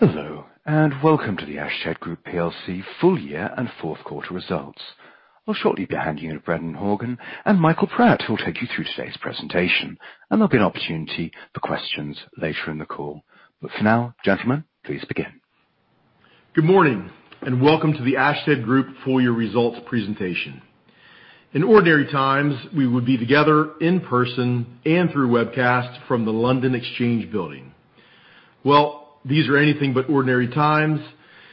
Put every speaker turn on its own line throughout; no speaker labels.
Hello, and welcome to the Ashtead Group PLC Full Year and Fourth Quarter Results. I'll shortly be handing you to Brendan Horgan and Michael Pratt, who will take you through today's presentation, and there'll be an opportunity for questions later in the call. For now, gentlemen, please begin.
Good morning, welcome to the Ashtead Group full year results presentation. In ordinary times, we would be together in person and through webcast from the London Exchange Building. These are anything but ordinary times,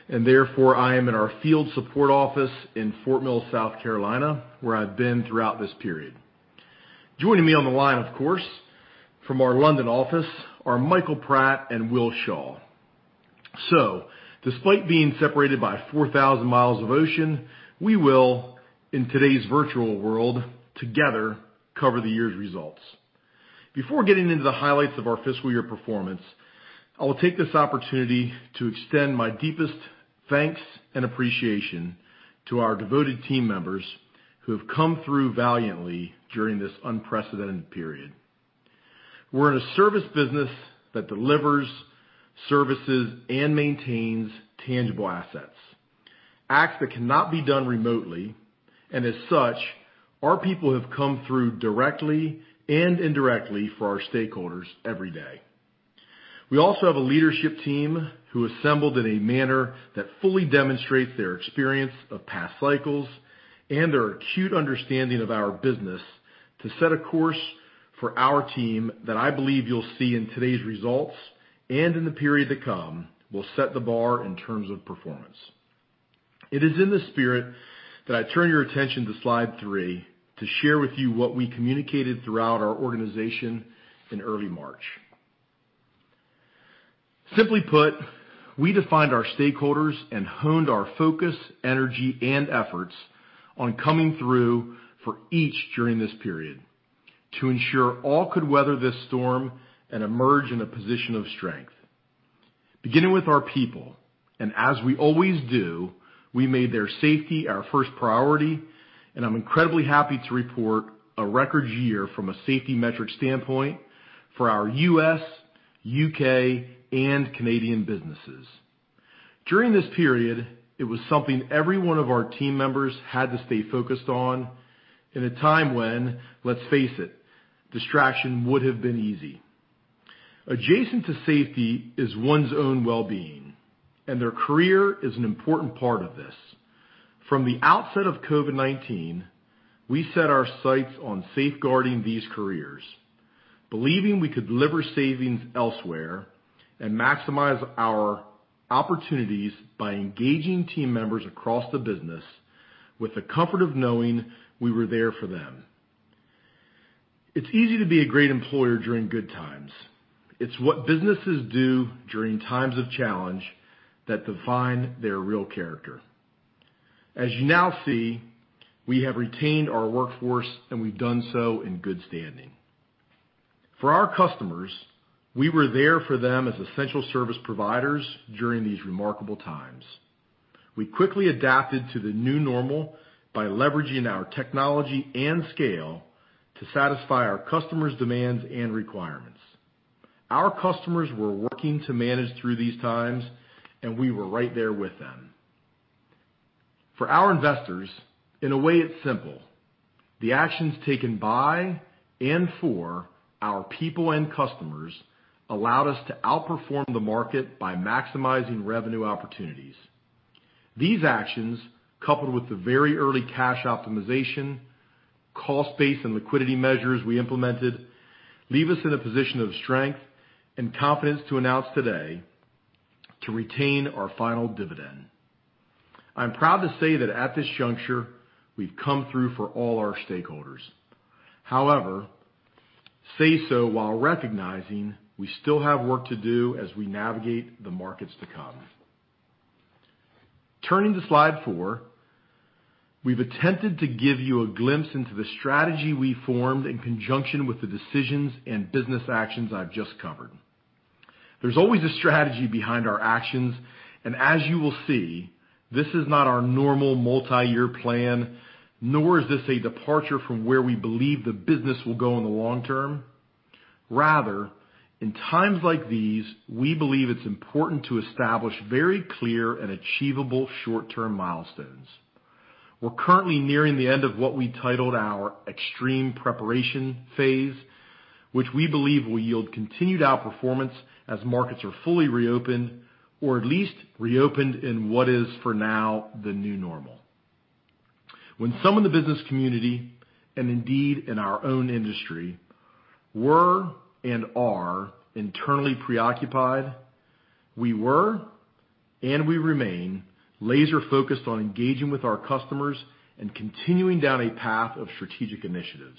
and therefore, I am in our field support office in Fort Mill, South Carolina, where I've been throughout this period. Joining me on the line, of course, from our London office, are Michael Pratt and Will Shaw. Despite being separated by 4,000 miles of ocean, we will, in today's virtual world, together cover the year's results. Before getting into the highlights of our fiscal year performance, I will take this opportunity to extend my deepest thanks and appreciation to our devoted team members who have come through valiantly during this unprecedented period. We're in a service business that delivers services and maintains tangible assets, acts that cannot be done remotely, and as such, our people have come through directly and indirectly for our stakeholders every day. We also have a leadership team who assembled in a manner that fully demonstrates their experience of past cycles and their acute understanding of our business to set a course for our team that I believe you'll see in today's results, and in the period to come, will set the bar in terms of performance. It is in the spirit that I turn your attention to slide three to share with you what we communicated throughout our organization in early March. Simply put, we defined our stakeholders and honed our focus, energy, and efforts on coming through for each during this period to ensure all could weather this storm and emerge in a position of strength. Beginning with our people, as we always do, we made their safety our first priority, and I'm incredibly happy to report a record year from a safety metric standpoint for our U.S., U.K., and Canadian businesses. During this period, it was something every one of our team members had to stay focused on in a time when, let's face it, distraction would have been easy. Adjacent to safety is one's own wellbeing, their career is an important part of this. From the outset of COVID-19, we set our sights on safeguarding these careers, believing we could deliver savings elsewhere and maximize our opportunities by engaging team members across the business with the comfort of knowing we were there for them. It's easy to be a great employer during good times. It's what businesses do during times of challenge that define their real character. As you now see, we have retained our workforce, and we've done so in good standing. For our customers, we were there for them as essential service providers during these remarkable times. We quickly adapted to the new normal by leveraging our technology and scale to satisfy our customers' demands and requirements. Our customers were working to manage through these times, and we were right there with them. For our investors, in a way, it's simple. The actions taken by and for our people and customers allowed us to outperform the market by maximizing revenue opportunities. These actions, coupled with the very early cash optimization, cost base, and liquidity measures we implemented, leave us in a position of strength and confidence to announce today to retain our final dividend. I'm proud to say that at this juncture, we've come through for all our stakeholders. Say so while recognizing we still have work to do as we navigate the markets to come. Turning to slide four, we've attempted to give you a glimpse into the strategy we formed in conjunction with the decisions and business actions I've just covered. There's always a strategy behind our actions, as you will see, this is not our normal multi-year plan, nor is this a departure from where we believe the business will go in the long term. In times like these, we believe it's important to establish very clear and achievable short-term milestones. We're currently nearing the end of what we titled our extreme preparation phase, which we believe will yield continued outperformance as markets are fully reopened or at least reopened in what is, for now, the new normal. When some in the business community, and indeed in our own industry, were and are internally preoccupied, we were and we remain laser-focused on engaging with our customers and continuing down a path of strategic initiatives.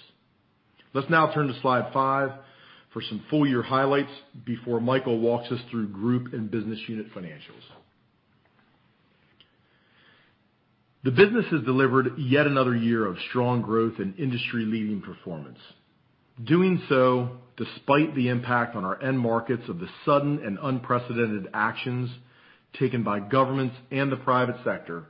Let's now turn to slide five for some full-year highlights before Michael walks us through group and business unit financials. The business has delivered yet another year of strong growth and industry-leading performance. Doing so despite the impact on our end markets of the sudden and unprecedented actions taken by governments and the private sector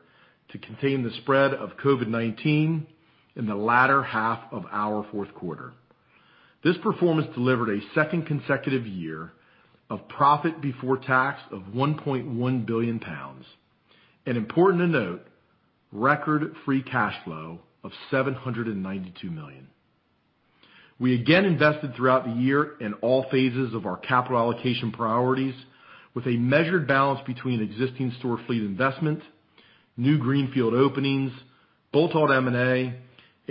to contain the spread of COVID-19. In the latter half of our fourth quarter. This performance delivered a second consecutive year of profit before tax of 1.1 billion pounds. Important to note, record free cash flow of 792 million. We again invested throughout the year in all phases of our capital allocation priorities with a measured balance between existing store fleet investment, new greenfield openings, bolt-on M&A,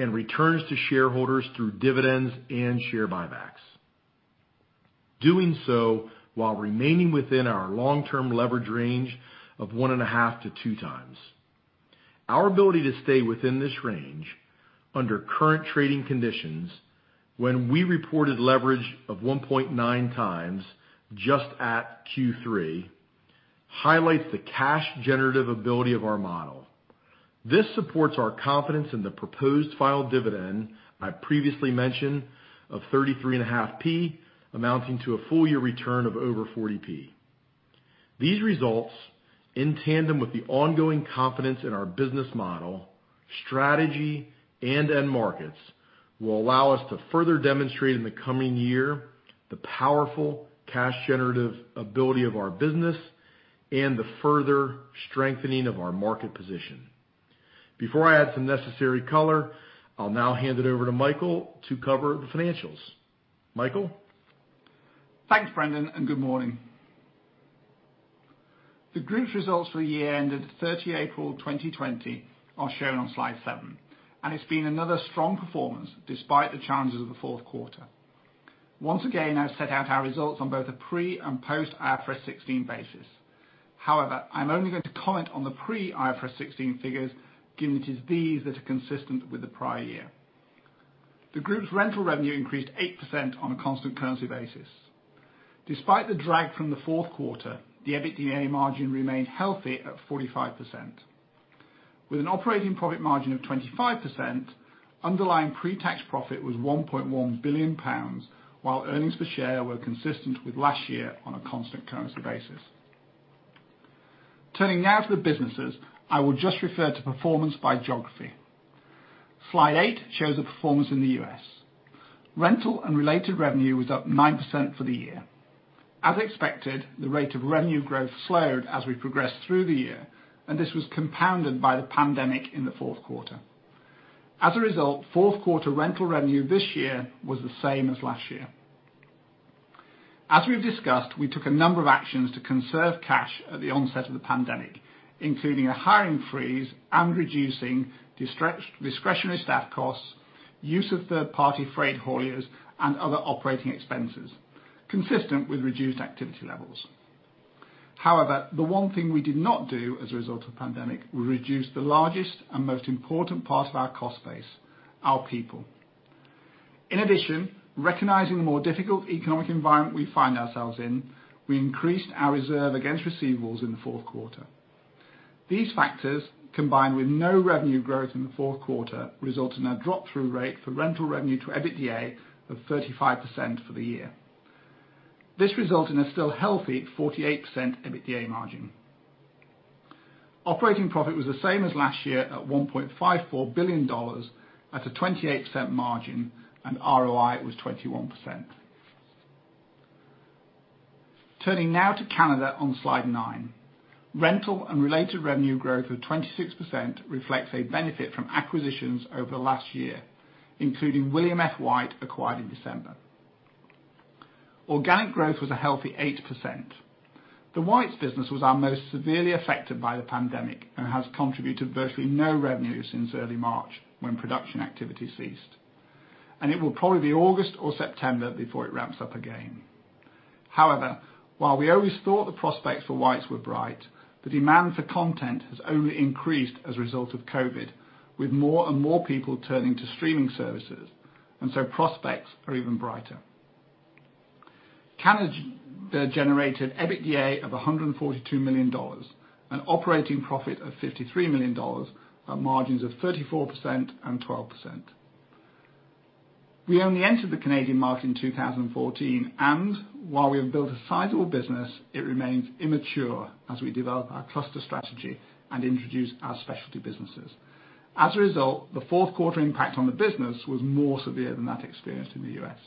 and returns to shareholders through dividends and share buybacks. Doing so while remaining within our long-term leverage range of 1.5x-2x. Our ability to stay within this range under current trading conditions when we reported leverage of 1.9x just at Q3, highlights the cash generative ability of our model. This supports our confidence in the proposed final dividend I previously mentioned of 0.335, amounting to a full year return of over 0.40. These results, in tandem with the ongoing confidence in our business model, strategy, and end markets, will allow us to further demonstrate in the coming year the powerful cash generative ability of our business and the further strengthening of our market position. Before I add some necessary color, I'll now hand it over to Michael to cover the financials. Michael?
Thanks, Brendan. Good morning. The Group's results for the year ended 30 April 2020 are shown on slide seven. It's been another strong performance despite the challenges of the fourth quarter. Once again, I set out our results on both a pre- and post-IFRS 16 basis. However, I'm only going to comment on the pre IFRS 16 figures, given it is these that are consistent with the prior year. The Group's rental revenue increased 8% on a constant currency basis. Despite the drag from the fourth quarter, the EBITDA margin remained healthy at 45%. With an operating profit margin of 25%, underlying pre-tax profit was 1.1 billion pounds, while earnings per share were consistent with last year on a constant currency basis. Turning now to the businesses, I will just refer to performance by geography. Slide eight shows the performance in the U.S. Rental and related revenue was up 9% for the year. As expected, the rate of revenue growth slowed as we progressed through the year, and this was compounded by the pandemic in the fourth quarter. As a result, fourth quarter rental revenue this year was the same as last year. As we've discussed, we took a number of actions to conserve cash at the onset of the pandemic, including a hiring freeze and reducing discretionary staff costs, use of third-party freight hauliers, and other operating expenses, consistent with reduced activity levels. However, the one thing we did not do as a result of pandemic, we reduced the largest and most important part of our cost base, our people. In addition, recognizing the more difficult economic environment we find ourselves in, we increased our reserve against receivables in the fourth quarter. These factors, combined with no revenue growth in the fourth quarter, result in a drop-through rate for rental revenue to EBITDA of 35% for the year. This resulted in a still healthy 48% EBITDA margin. Operating profit was the same as last year at GBP 1.54 billion at a 28% margin, and ROI was 21%. Turning now to Canada on slide nine. Rental and related revenue growth of 26% reflects a benefit from acquisitions over the last year, including William F. White acquired in December. Organic growth was a healthy 8%. The Whites business was our most severely affected by the pandemic and has contributed virtually no revenue since early March when production activity ceased. It will probably be August or September before it ramps up again. However, while we always thought the prospects for Whites were bright, the demand for content has only increased as a result of COVID, with more and more people turning to streaming services, and so prospects are even brighter. Canada generated EBITDA of $142 million, an operating profit of $53 million, at margins of 34% and 12%. We only entered the Canadian market in 2014, and while we have built a sizable business, it remains immature as we develop our cluster strategy and introduce our specialty businesses. As a result, the fourth quarter impact on the business was more severe than that experienced in the U.S.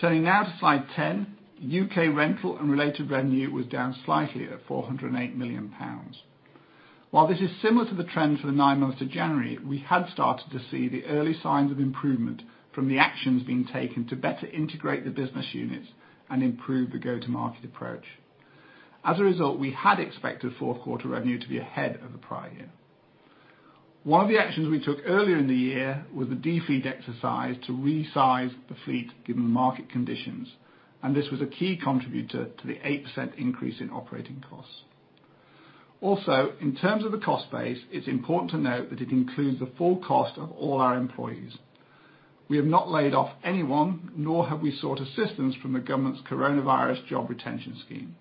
Turning now to slide 10, U.K. rental and related revenue was down slightly at 408 million pounds. While this is similar to the trend for the nine months to January, we had started to see the early signs of improvement from the actions being taken to better integrate the business units and improve the go-to-market approach. We had expected fourth quarter revenue to be ahead of the prior year. One of the actions we took earlier in the year was the de-fleet exercise to resize the fleet given market conditions, and this was a key contributor to the 8% increase in operating costs. In terms of the cost base, it's important to note that it includes the full cost of all our employees. We have not laid off anyone, nor have we sought assistance from the government's Coronavirus Job Retention Scheme.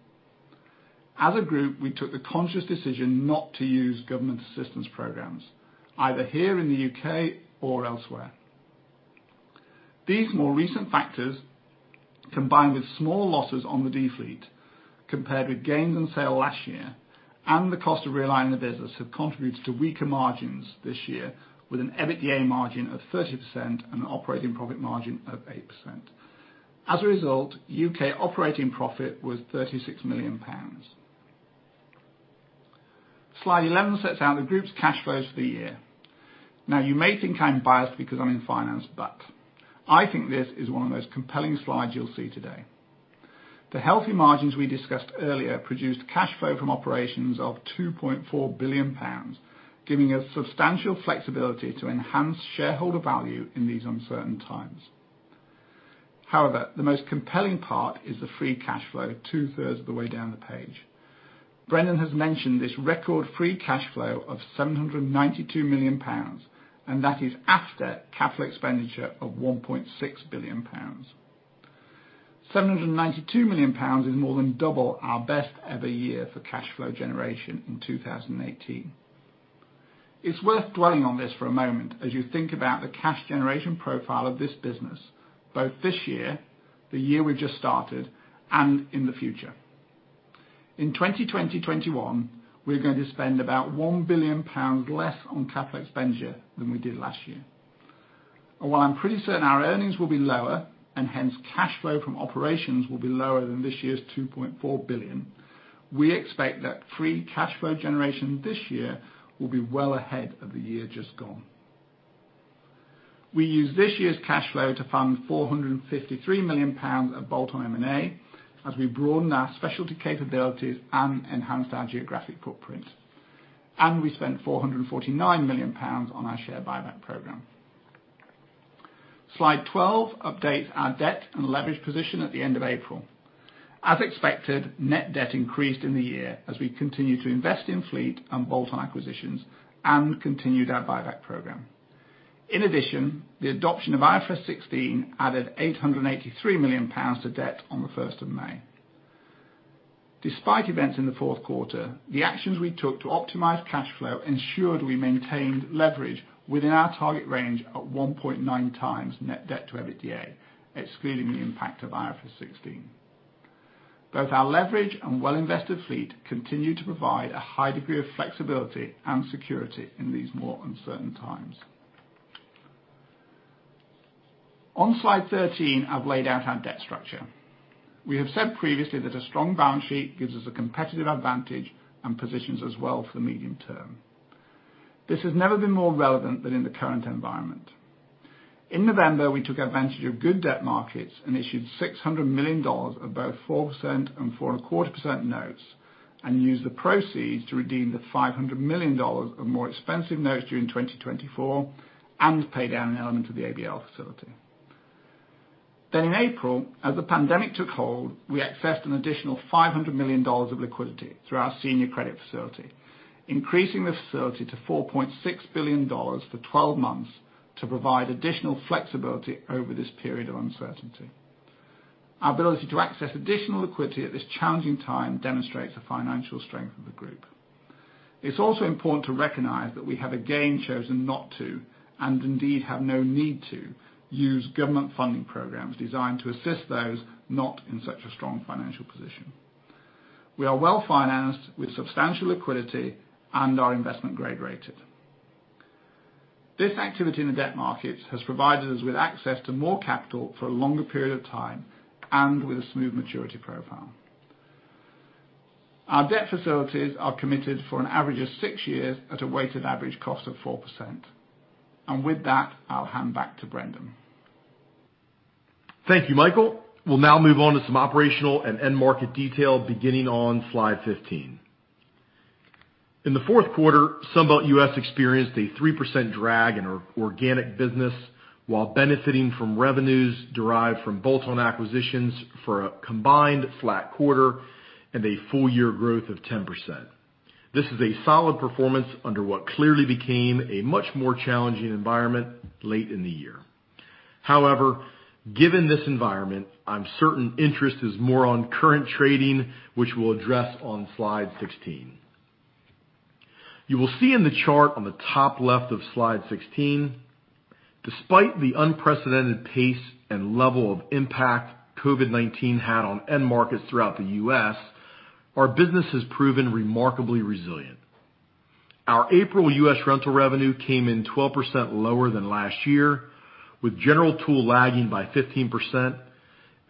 As a group, we took the conscious decision not to use government assistance programs, either here in the U.K. or elsewhere. These more recent factors, combined with small losses on the de-fleet compared with gains on sale last year and the cost of realigning the business, have contributed to weaker margins this year, with an EBITDA margin of 30% and an operating profit margin of 8%. As a result, U.K. operating profit was GBP 36 million. Slide 11 sets out the group's cash flows for the year. You may think I'm biased because I'm in finance, but I think this is one of the most compelling slides you'll see today. The healthy margins we discussed earlier produced cash flow from operations of 2.4 billion pounds, giving us substantial flexibility to enhance shareholder value in these uncertain times. However, the most compelling part is the free cash flow two-thirds of the way down the page. Brendan has mentioned this record free cash flow of 792 million pounds, and that is after CapEx of 1.6 billion pounds. 792 million pounds is more than double our best ever year for cash flow generation in 2018. It's worth dwelling on this for a moment as you think about the cash generation profile of this business, both this year, the year we've just started, and in the future. In 2020-2021, we're going to spend about 1 billion pounds less on CapEx than we did last year. While I'm pretty certain our earnings will be lower, and hence cash flow from operations will be lower than this year's 2.4 billion, we expect that free cash flow generation this year will be well ahead of the year just gone. We used this year's cash flow to fund 453 million pounds of bolt-on M&A as we broadened our specialty capabilities and enhanced our geographic footprint. We spent 449 million pounds on our share buyback program. Slide 12 updates our debt and leverage position at the end of April. As expected, net debt increased in the year as we continued to invest in fleet and bolt-on acquisitions and continued our buyback program. In addition, the adoption of IFRS 16 added 883 million pounds to debt on the 1st of May. Despite events in the fourth quarter, the actions we took to optimize cash flow ensured we maintained leverage within our target range of 1.9x net debt to EBITDA, excluding the impact of IFRS 16. Both our leverage and well-invested fleet continue to provide a high degree of flexibility and security in these more uncertain times. On slide 13, I've laid out our debt structure. We have said previously that a strong balance sheet gives us a competitive advantage and positions us well for the medium term. This has never been more relevant than in the current environment. In November, we took advantage of good debt markets and issued $600 million of both 4% and 4.25% notes and used the proceeds to redeem the $500 million of more expensive notes due in 2024 and pay down an element of the ABL facility. In April, as the pandemic took hold, we accessed an additional $500 million of liquidity through our senior credit facility, increasing the facility to $4.6 billion for 12 months to provide additional flexibility over this period of uncertainty. Our ability to access additional liquidity at this challenging time demonstrates the financial strength of the group. It's also important to recognize that we have again chosen not to, and indeed have no need to, use government funding programs designed to assist those not in such a strong financial position. We are well-financed with substantial liquidity and are investment-grade rated. This activity in the debt markets has provided us with access to more capital for a longer period of time and with a smooth maturity profile. Our debt facilities are committed for an average of six years at a weighted average cost of 4%. With that, I'll hand back to Brendan.
Thank you, Michael. We'll now move on to some operational and end market detail beginning on slide 15. In the fourth quarter, Sunbelt U.S. experienced a 3% drag in our organic business while benefiting from revenues derived from bolt-on acquisitions for a combined flat quarter and a full year growth of 10%. This is a solid performance under what clearly became a much more challenging environment late in the year. Given this environment, I'm certain interest is more on current trading, which we'll address on slide 16. You will see in the chart on the top left of slide 16, despite the unprecedented pace and level of impact COVID-19 had on end markets throughout the U.S., our business has proven remarkably resilient. Our April U.S. rental revenue came in 12% lower than last year, with general tool lagging by 15%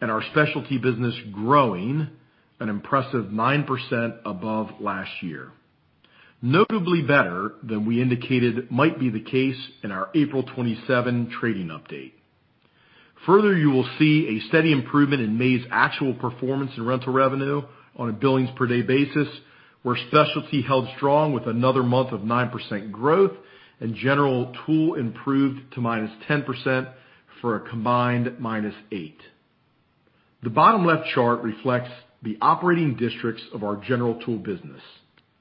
and our specialty business growing an impressive 9% above last year. Notably better than we indicated might be the case in our April 27 trading update. You will see a steady improvement in May's actual performance in rental revenue on a billings per day basis, where specialty held strong with another month of 9% growth and general tool improved to -10% for a combined -8. The bottom left chart reflects the operating districts of our general tool business,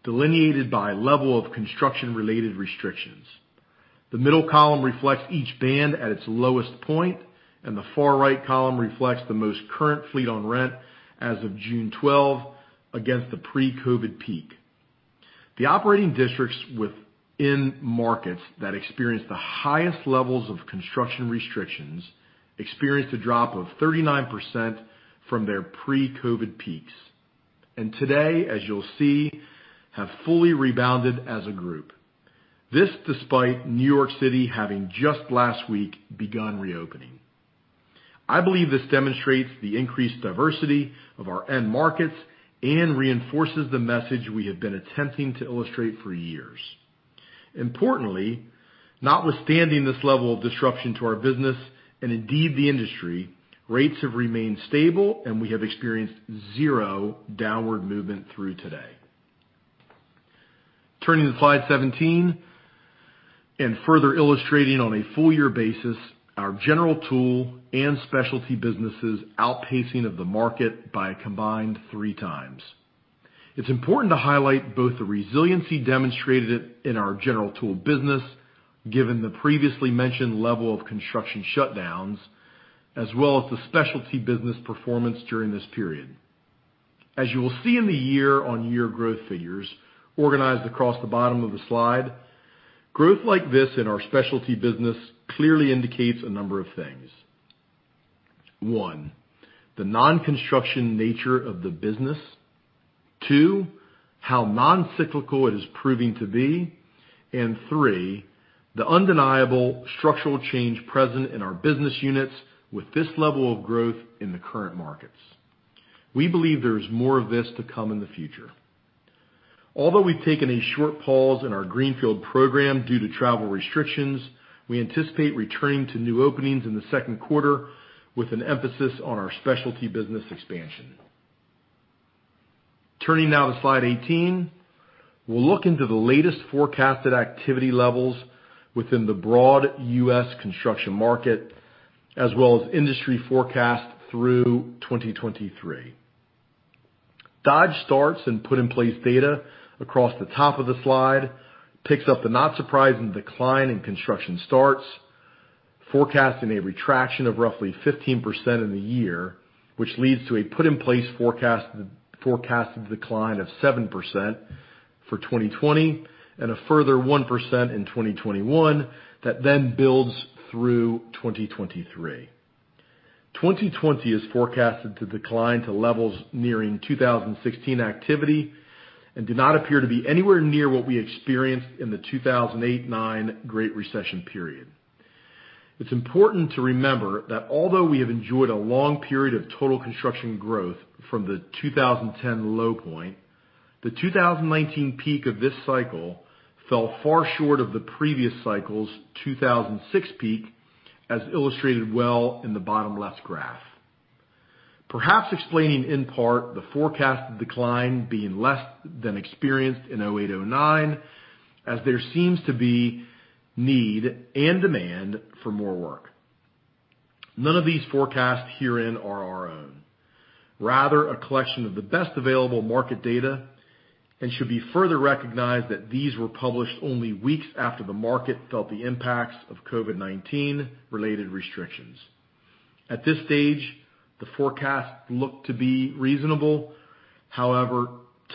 delineated by level of construction-related restrictions. The middle column reflects each band at its lowest point, and the far right column reflects the most current fleet on rent as of June 12 against the pre-COVID peak. The operating districts within markets that experience the highest levels of construction restrictions, experienced a drop of 39% from their pre-COVID peaks. Today, as you'll see, have fully rebounded as a group. This despite New York City having just last week begun reopening. I believe this demonstrates the increased diversity of our end markets and reinforces the message we have been attempting to illustrate for years. Importantly, notwithstanding this level of disruption to our business, and indeed the industry, rates have remained stable and we have experienced zero downward movement through today. Turning to slide 17, and further illustrating on a full year basis, our general tool and specialty businesses outpacing of the market by a combined three times. It's important to highlight both the resiliency demonstrated in our general tool business, given the previously mentioned level of construction shutdowns, as well as the specialty business performance during this period. As you will see in the year-on-year growth figures organized across the bottom of the slide, growth like this in our specialty business clearly indicates a number of things. One, the non-construction nature of the business. Two, how non-cyclical it is proving to be. Three, the undeniable structural change present in our business units with this level of growth in the current markets. We believe there is more of this to come in the future. Although we've taken a short pause in our greenfield program due to travel restrictions, we anticipate returning to new openings in the second quarter with an emphasis on our specialty business expansion. Turning now to slide 18. We'll look into the latest forecasted activity levels within the broad U.S. construction market, as well as industry forecast through 2023. Dodge starts and put in place data across the top of the slide, picks up the not surprising decline in construction starts, forecasting a retraction of roughly 15% in the year, which leads to a put in place forecasted decline of 7% for 2020, and a further 1% in 2021, that then builds through 2023. 2020 is forecasted to decline to levels nearing 2016 activity and do not appear to be anywhere near what we experienced in the 2008, 2009 Great Recession period. It's important to remember that although we have enjoyed a long period of total construction growth from the 2010 low point, the 2019 peak of this cycle fell far short of the previous cycle's 2006 peak, as illustrated well in the bottom left graph. Perhaps explaining, in part, the forecasted decline being less than experienced in 2008, 2009, as there seems to be need and demand for more work. None of these forecasts herein are our own. Rather, a collection of the best available market data and should be further recognized that these were published only weeks after the market felt the impacts of COVID-19 related restrictions. At this stage, the forecast looked to be reasonable. However,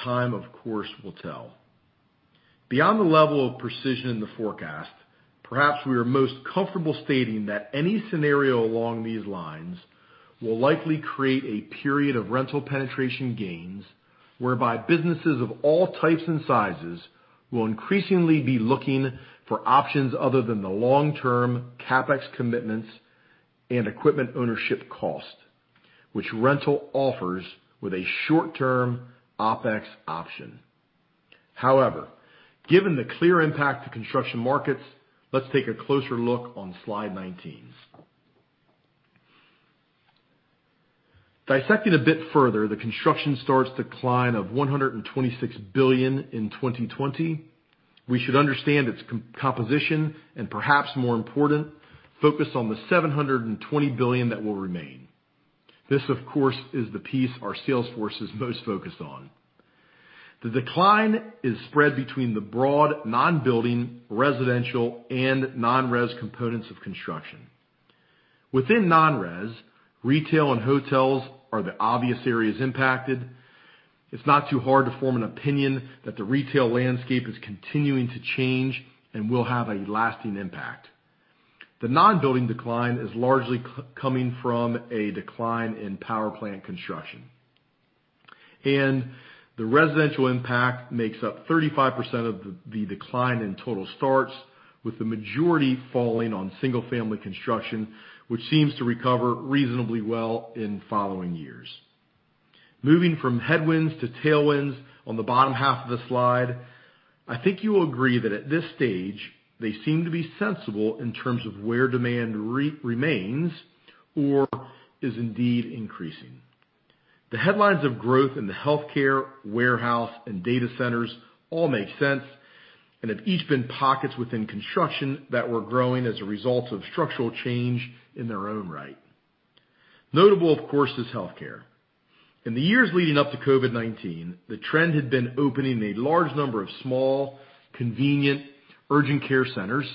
time, of course, will tell. Beyond the level of precision in the forecast, perhaps we are most comfortable stating that any scenario along these lines will likely create a period of rental penetration gains, whereby businesses of all types and sizes will increasingly be looking for options other than the long-term CapEx commitments and equipment ownership cost, which rental offers with a short-term OpEx option. However, given the clear impact to construction markets, let's take a closer look on slide 19. Dissecting a bit further the construction starts decline of 126 billion in 2020, we should understand its composition and perhaps more important, focus on the 720 billion that will remain. This, of course, is the piece our sales force is most focused on. The decline is spread between the broad non-building, residential, and non-res components of construction. Within non-res, retail and hotels are the obvious areas impacted. It's not too hard to form an opinion that the retail landscape is continuing to change and will have a lasting impact. The non-building decline is largely coming from a decline in power plant construction. The residential impact makes up 35% of the decline in total starts, with the majority falling on single-family construction, which seems to recover reasonably well in following years. Moving from headwinds to tailwinds on the bottom half of the slide, I think you will agree that at this stage, they seem to be sensible in terms of where demand remains or is indeed increasing. The headlines of growth in the healthcare, warehouse, and data centers all make sense and have each been pockets within construction that were growing as a result of structural change in their own right. Notable, of course, is healthcare. In the years leading up to COVID-19, the trend had been opening a large number of small, convenient urgent care centers,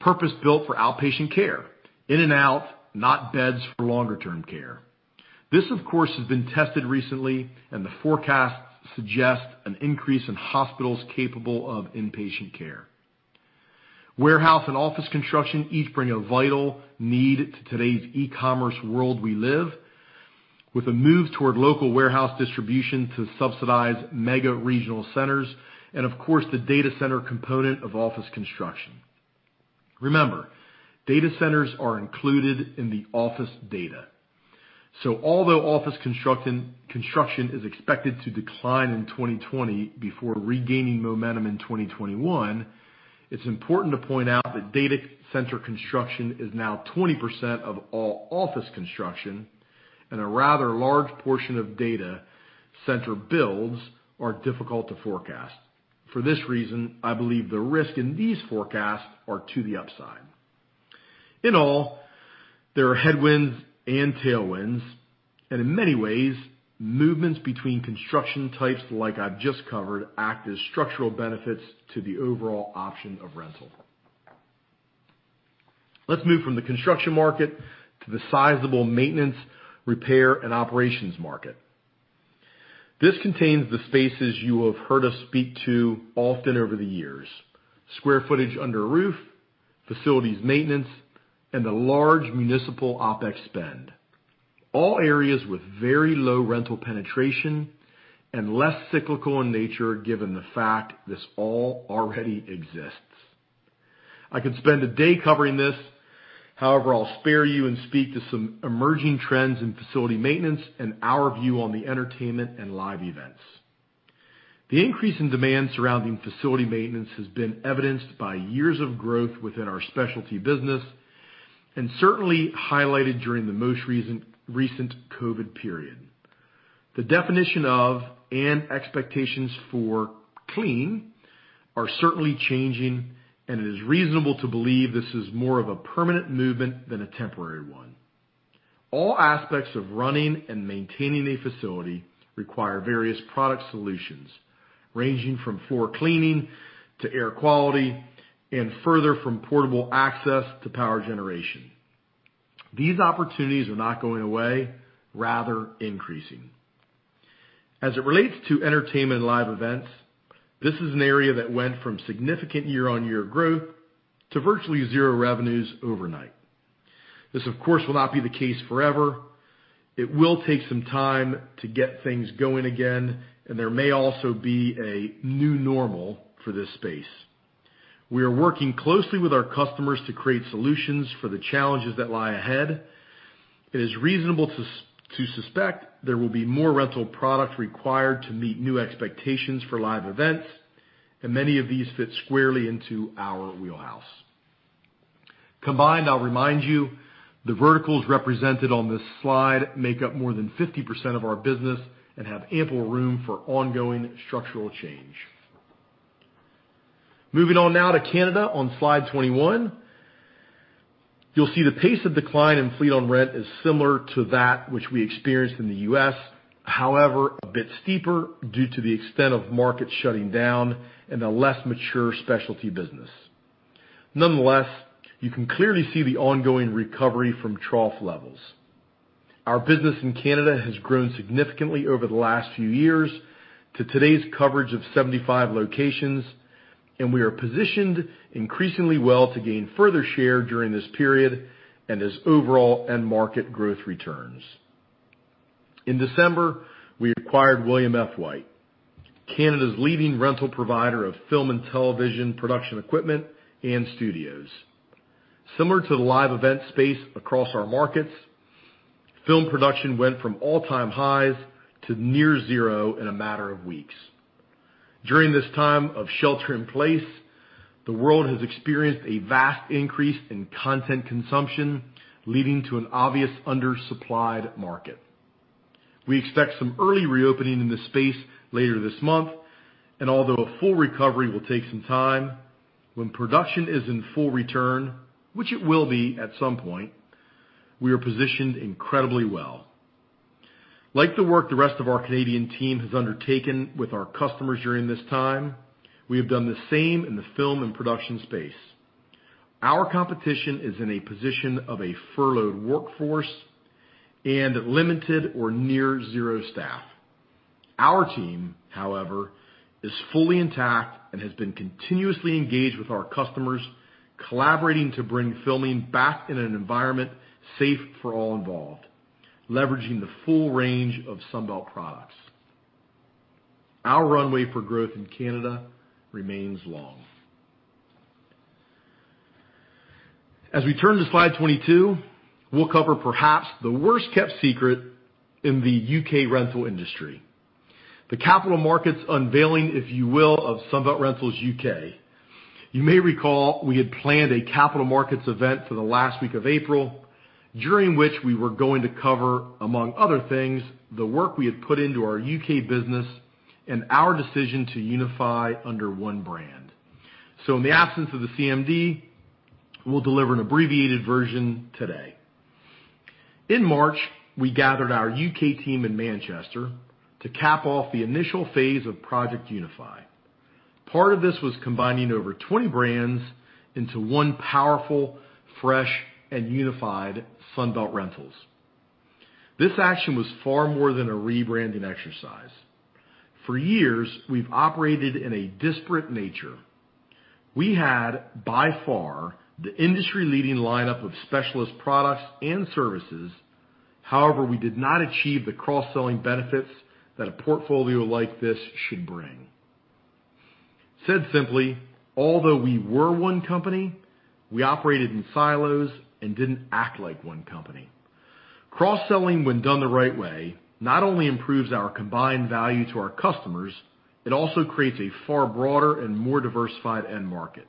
purpose-built for outpatient care, in and out, not beds for longer-term care. This, of course, has been tested recently and the forecasts suggest an increase in hospitals capable of inpatient care. Warehouse and office construction each bring a vital need to today's e-commerce world we live, with a move toward local warehouse distribution to subsidize mega regional centers and of course, the data center component of office construction. Remember, data centers are included in the office data. Although office construction is expected to decline in 2020 before regaining momentum in 2021, it's important to point out that data center construction is now 20% of all office construction and a rather large portion of data center builds are difficult to forecast. For this reason, I believe the risk in these forecasts are to the upside. In all, there are headwinds and tailwinds, and in many ways, movements between construction types like I've just covered act as structural benefits to the overall option of rental. Let's move from the construction market to the sizable maintenance, repair, and operations market. This contains the spaces you have heard us speak to often over the years, square footage under a roof, facilities maintenance, and the large municipal OpEx spend. All areas with very low rental penetration and less cyclical in nature given the fact this all already exists. I could spend a day covering this. However, I'll spare you and speak to some emerging trends in facility maintenance and our view on the entertainment and live events. The increase in demand surrounding facility maintenance has been evidenced by years of growth within our specialty business and certainly highlighted during the most recent COVID period. The definition of and expectations for clean are certainly changing and it is reasonable to believe this is more of a permanent movement than a temporary one. All aspects of running and maintaining a facility require various product solutions, ranging from floor cleaning to air quality, and further from portable access to power generation. These opportunities are not going away, rather increasing. As it relates to entertainment live events, this is an area that went from significant year-on-year growth to virtually zero revenues overnight. This, of course, will not be the case forever. It will take some time to get things going again, and there may also be a new normal for this space. We are working closely with our customers to create solutions for the challenges that lie ahead. It is reasonable to suspect there will be more rental product required to meet new expectations for live events, and many of these fit squarely into our wheelhouse. Combined, I'll remind you, the verticals represented on this slide make up more than 50% of our business and have ample room for ongoing structural change. Moving on now to Canada on slide 21. You'll see the pace of decline in fleet on rent is similar to that which we experienced in the U.S., however, a bit steeper due to the extent of markets shutting down and a less mature specialty business. Nonetheless, you can clearly see the ongoing recovery from trough levels. Our business in Canada has grown significantly over the last few years to today's coverage of 75 locations and we are positioned increasingly well to gain further share during this period and as overall end market growth returns. In December, we acquired William F. White, Canada's leading rental provider of film and television production equipment and studios. Similar to the live event space across our markets, film production went from all-time highs to near zero in a matter of weeks. During this time of shelter in place, the world has experienced a vast increase in content consumption, leading to an obvious undersupplied market. We expect some early reopening in this space later this month and although a full recovery will take some time, when production is in full return, which it will be at some point, we are positioned incredibly well. Like the work the rest of our Canadian team has undertaken with our customers during this time, we have done the same in the film and production space. Our competition is in a position of a furloughed workforce and limited or near zero staff. Our team, however, is fully intact and has been continuously engaged with our customers, collaborating to bring filming back in an environment safe for all involved, leveraging the full range of Sunbelt products. Our runway for growth in Canada remains long. As we turn to slide 22, we will cover perhaps the worst-kept secret in the U.K. rental industry. The capital markets unveiling, if you will, of Sunbelt Rentals U.K. You may recall we had planned a capital markets event for the last week of April, during which we were going to cover, among other things, the work we had put into our U.K. business and our decision to unify under one brand. In the absence of the CMD, we will deliver an abbreviated version today. In March, we gathered our U.K. team in Manchester to cap off the initial phase of Project Unify. Part of this was combining over 20 brands into one powerful, fresh, and unified Sunbelt Rentals. This action was far more than a rebranding exercise. For years, we've operated in a disparate nature. We had, by far, the industry-leading lineup of specialist products and services. However, we did not achieve the cross-selling benefits that a portfolio like this should bring. Said simply, although we were one company, we operated in silos and didn't act like one company. Cross-selling, when done the right way, not only improves our combined value to our customers, it also creates a far broader and more diversified end market.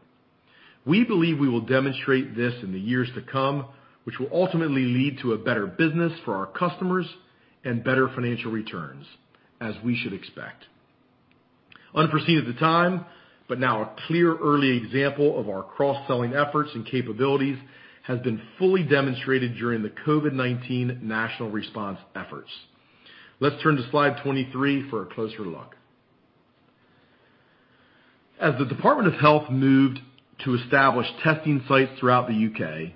We believe we will demonstrate this in the years to come, which will ultimately lead to a better business for our customers and better financial returns, as we should expect. Unforeseen at the time, but now a clear early example of our cross-selling efforts and capabilities, has been fully demonstrated during the COVID-19 national response efforts. Let's turn to slide 23 for a closer look. As the Department of Health moved to establish testing sites throughout the U.K.,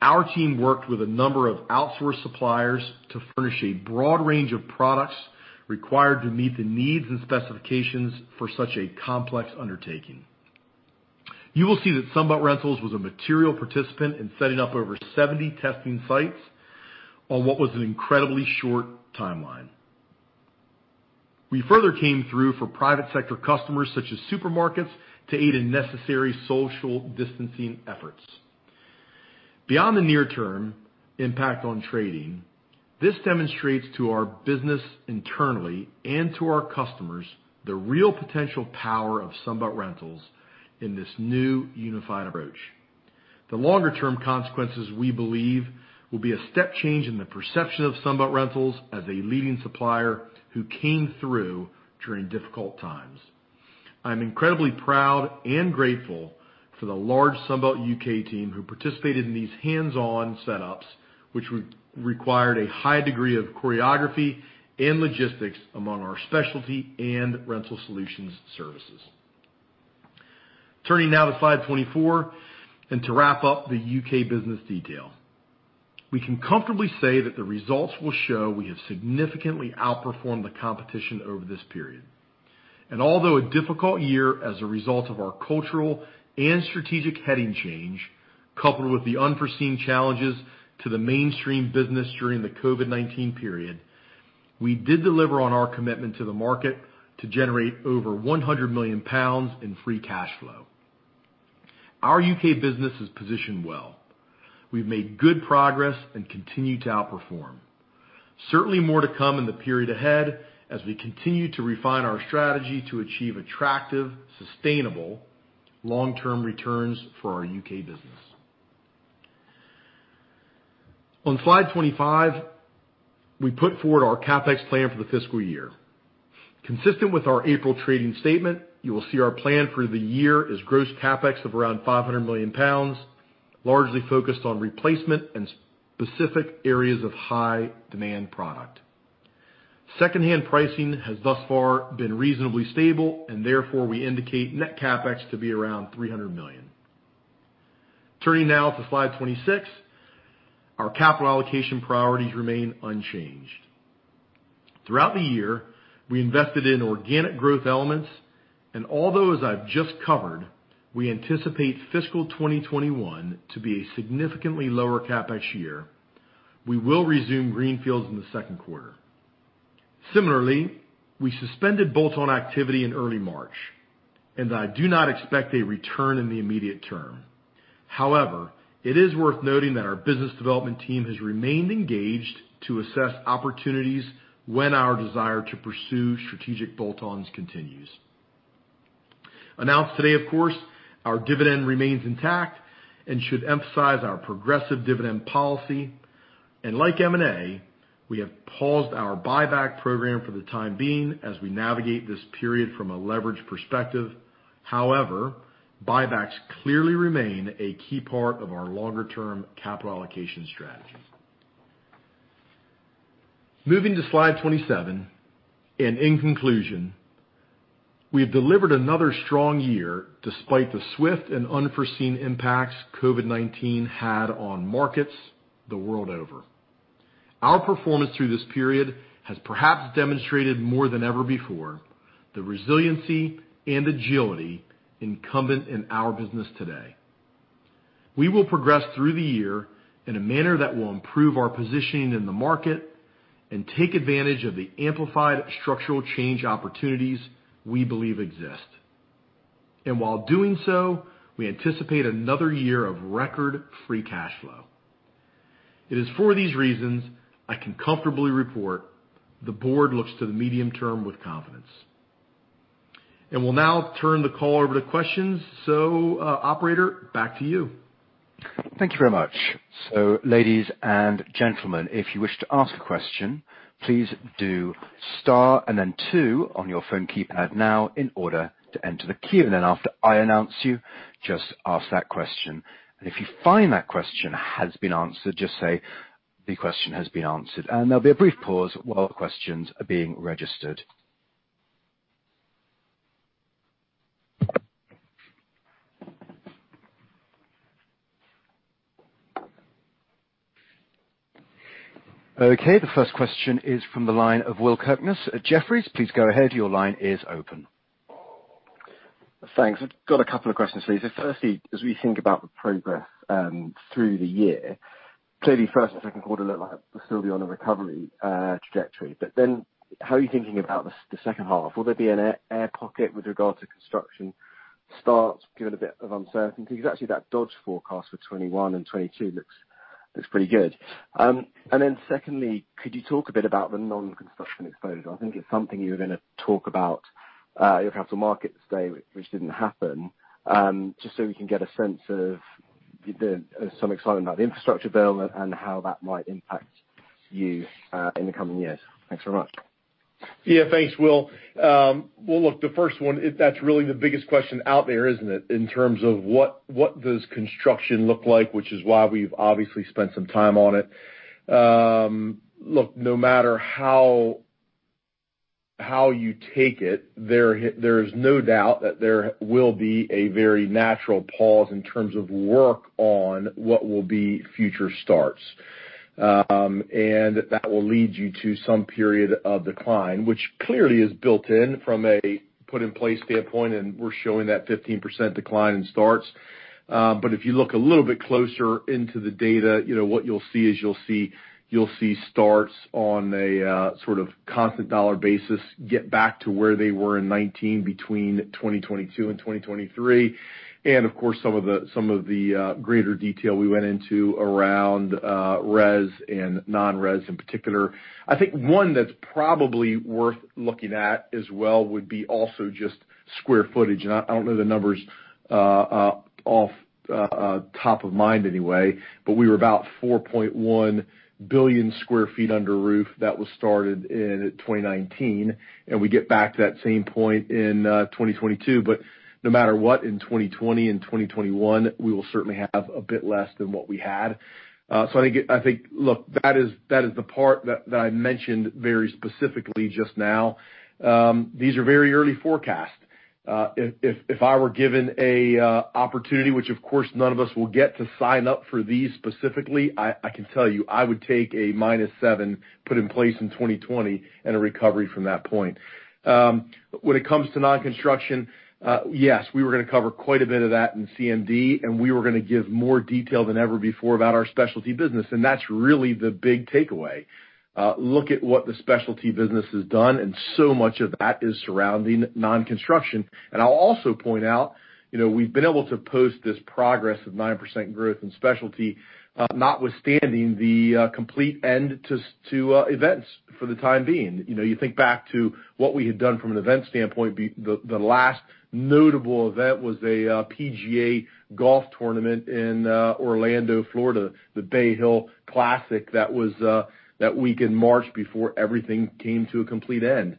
our team worked with a number of outsource suppliers to furnish a broad range of products required to meet the needs and specifications for such a complex undertaking. You will see that Sunbelt Rentals was a material participant in setting up over 70 testing sites on what was an incredibly short timeline. We further came through for private sector customers, such as supermarkets, to aid in necessary social distancing efforts. Beyond the near term impact on trading, this demonstrates to our business internally and to our customers, the real potential power of Sunbelt Rentals in this new unified approach. The longer-term consequences, we believe, will be a step change in the perception of Sunbelt Rentals as a leading supplier who came through during difficult times. I'm incredibly proud and grateful for the large Sunbelt U.K. team who participated in these hands-on setups, which required a high degree of choreography and logistics among our specialty and rental solutions services. Turning now to slide 24, to wrap up the U.K. business detail. We can comfortably say that the results will show we have significantly outperformed the competition over this period. Although a difficult year as a result of our cultural and strategic heading change, coupled with the unforeseen challenges to the mainstream business during the COVID-19 period, we did deliver on our commitment to the market to generate over 100 million pounds in free cash flow. Our U.K. business is positioned well. We've made good progress and continue to outperform. Certainly more to come in the period ahead as we continue to refine our strategy to achieve attractive, sustainable, long-term returns for our U.K. business. On slide 25, we put forward our CapEx plan for the fiscal year. Consistent with our April trading statement, you will see our plan for the year is gross CapEx of around 500 million pounds, largely focused on replacement and specific areas of high-demand product. Therefore, we indicate net CapEx to be around 300 million. Turning now to slide 26, our capital allocation priorities remain unchanged. Although as I've just covered, we anticipate fiscal 2021 to be a significantly lower CapEx year. We will resume greenfields in the second quarter. Similarly, we suspended bolt-on activity in early March, and I do not expect a return in the immediate term. However, it is worth noting that our business development team has remained engaged to assess opportunities when our desire to pursue strategic bolt-ons continues. Announced today, of course, our dividend remains intact and should emphasize our progressive dividend policy. Like M&A, we have paused our buyback program for the time being as we navigate this period from a leverage perspective. However, buybacks clearly remain a key part of our longer-term capital allocation strategy. Moving to slide 27, and in conclusion, we have delivered another strong year despite the swift and unforeseen impacts COVID-19 had on markets the world over. Our performance through this period has perhaps demonstrated more than ever before the resiliency and agility incumbent in our business today. We will progress through the year in a manner that will improve our positioning in the market and take advantage of the amplified structural change opportunities we believe exist. While doing so, we anticipate another year of record free cash flow. It is for these reasons I can comfortably report the board looks to the medium term with confidence. We'll now turn the call over to questions. Operator, back to you.
Thank you very much. Ladies and gentlemen, if you wish to ask a question, please do star and then two on your phone keypad now in order to enter the queue. After I announce you, just ask that question. If you find that question has been answered, just say, "The question has been answered." There'll be a brief pause while the questions are being registered. Okay. The first question is from the line of Will Kirkness at Jefferies. Please go ahead. Your line is open.
Thanks. I've got a couple of questions for you. Firstly, as we think about the progress through the year, clearly first and second quarter look like they'll still be on a recovery trajectory. How are you thinking about the second half? Will there be an air pocket with regard to construction starts giving a bit of uncertainty? Actually that Dodge forecast for 2021 and 2022 looks pretty good. Secondly, could you talk a bit about the non-construction exposure? I think it's something you were going to talk about your capital markets day, which didn't happen. We can get a sense of some excitement about the infrastructure bill and how that might impact you in the coming years. Thanks very much.
Yeah. Thanks, Will. Well, look, the first one, that's really the biggest question out there, isn't it? In terms of what does construction look like, which is why we've obviously spent some time on it. Look, no matter how you take it, there is no doubt that there will be a very natural pause in terms of work on what will be future starts. That will lead you to some period of decline, which clearly is built in from a put in place standpoint, and we're showing that 15% decline in starts. If you look a little bit closer into the data, what you'll see is you'll see starts on a sort of constant dollar basis, get back to where they were in 2019, between 2022 and 2023. Of course, some of the greater detail we went into around res and non-res in particular. I think one that's probably worth looking at as well would be also just square footage. I don't know the numbers off top of mind anyway, but we were about 4.1 billion square feet under roof that was started in 2019, and we get back to that same point in 2022. No matter what, in 2020 and 2021, we will certainly have a bit less than what we had. I think, look, that is the part that I mentioned very specifically just now. These are very early forecasts. If I were given an opportunity, which of course, none of us will get to sign up for these specifically, I can tell you, I would take a -7 put in place in 2020 and a recovery from that point. When it comes to non-construction, yes, we were going to cover quite a bit of that in CMD, and we were going to give more detail than ever before about our specialty business, and that's really the big takeaway. Look at what the specialty business has done, and so much of that is surrounding non-construction. I'll also point out, we've been able to post this progress of 9% growth in specialty, notwithstanding the complete end to events for the time being. You think back to what we had done from an event standpoint, the last notable event was a PGA golf tournament in Orlando, Florida, the Arnold Palmer Invitational. That was that week in March before everything came to a complete end.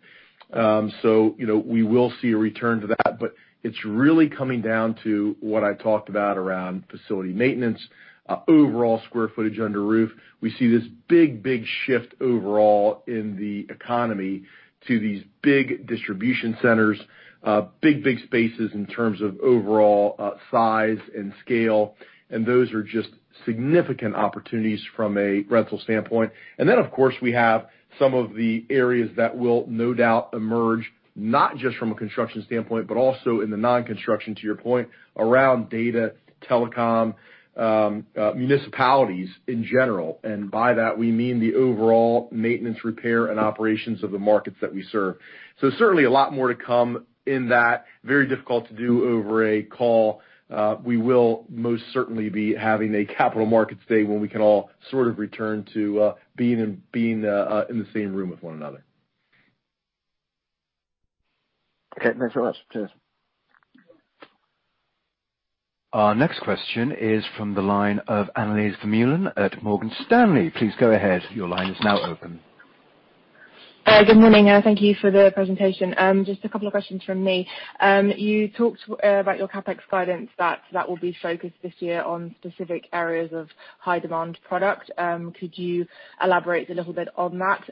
We will see a return to that. It's really coming down to what I talked about around facility maintenance, overall square footage under roof. We see this big shift overall in the economy to these big distribution centers, big spaces in terms of overall size and scale, those are just significant opportunities from a rental standpoint. Then, of course, we have some of the areas that will no doubt emerge, not just from a construction standpoint, but also in the non-construction, to your point, around data, telecom, municipalities in general. By that we mean the overall maintenance, repair, and operations of the markets that we serve. Certainly a lot more to come in that. Very difficult to do over a call. We will most certainly be having a Capital Markets Day when we can all sort of return to being in the same room with one another.
Okay. Thanks so much. Cheers.
Our next question is from the line of Annelies Vermeulen at Morgan Stanley. Please go ahead. Your line is now open.
Good morning, thank you for the presentation. Just a couple of questions from me. You talked about your CapEx guidance, that will be focused this year on specific areas of high-demand product. Could you elaborate a little bit on that?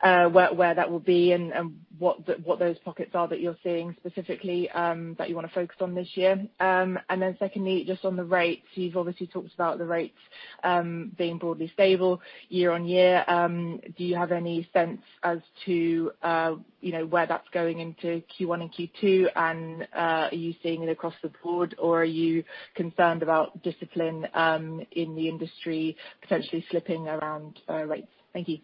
Where that will be and what those pockets are that you're seeing specifically, that you want to focus on this year. Secondly, just on the rates. You've obviously talked about the rates being broadly stable year-on-year. Do you have any sense as to where that's going into Q1 and Q2? Are you seeing it across the board, or are you concerned about discipline in the industry potentially slipping around rates? Thank you.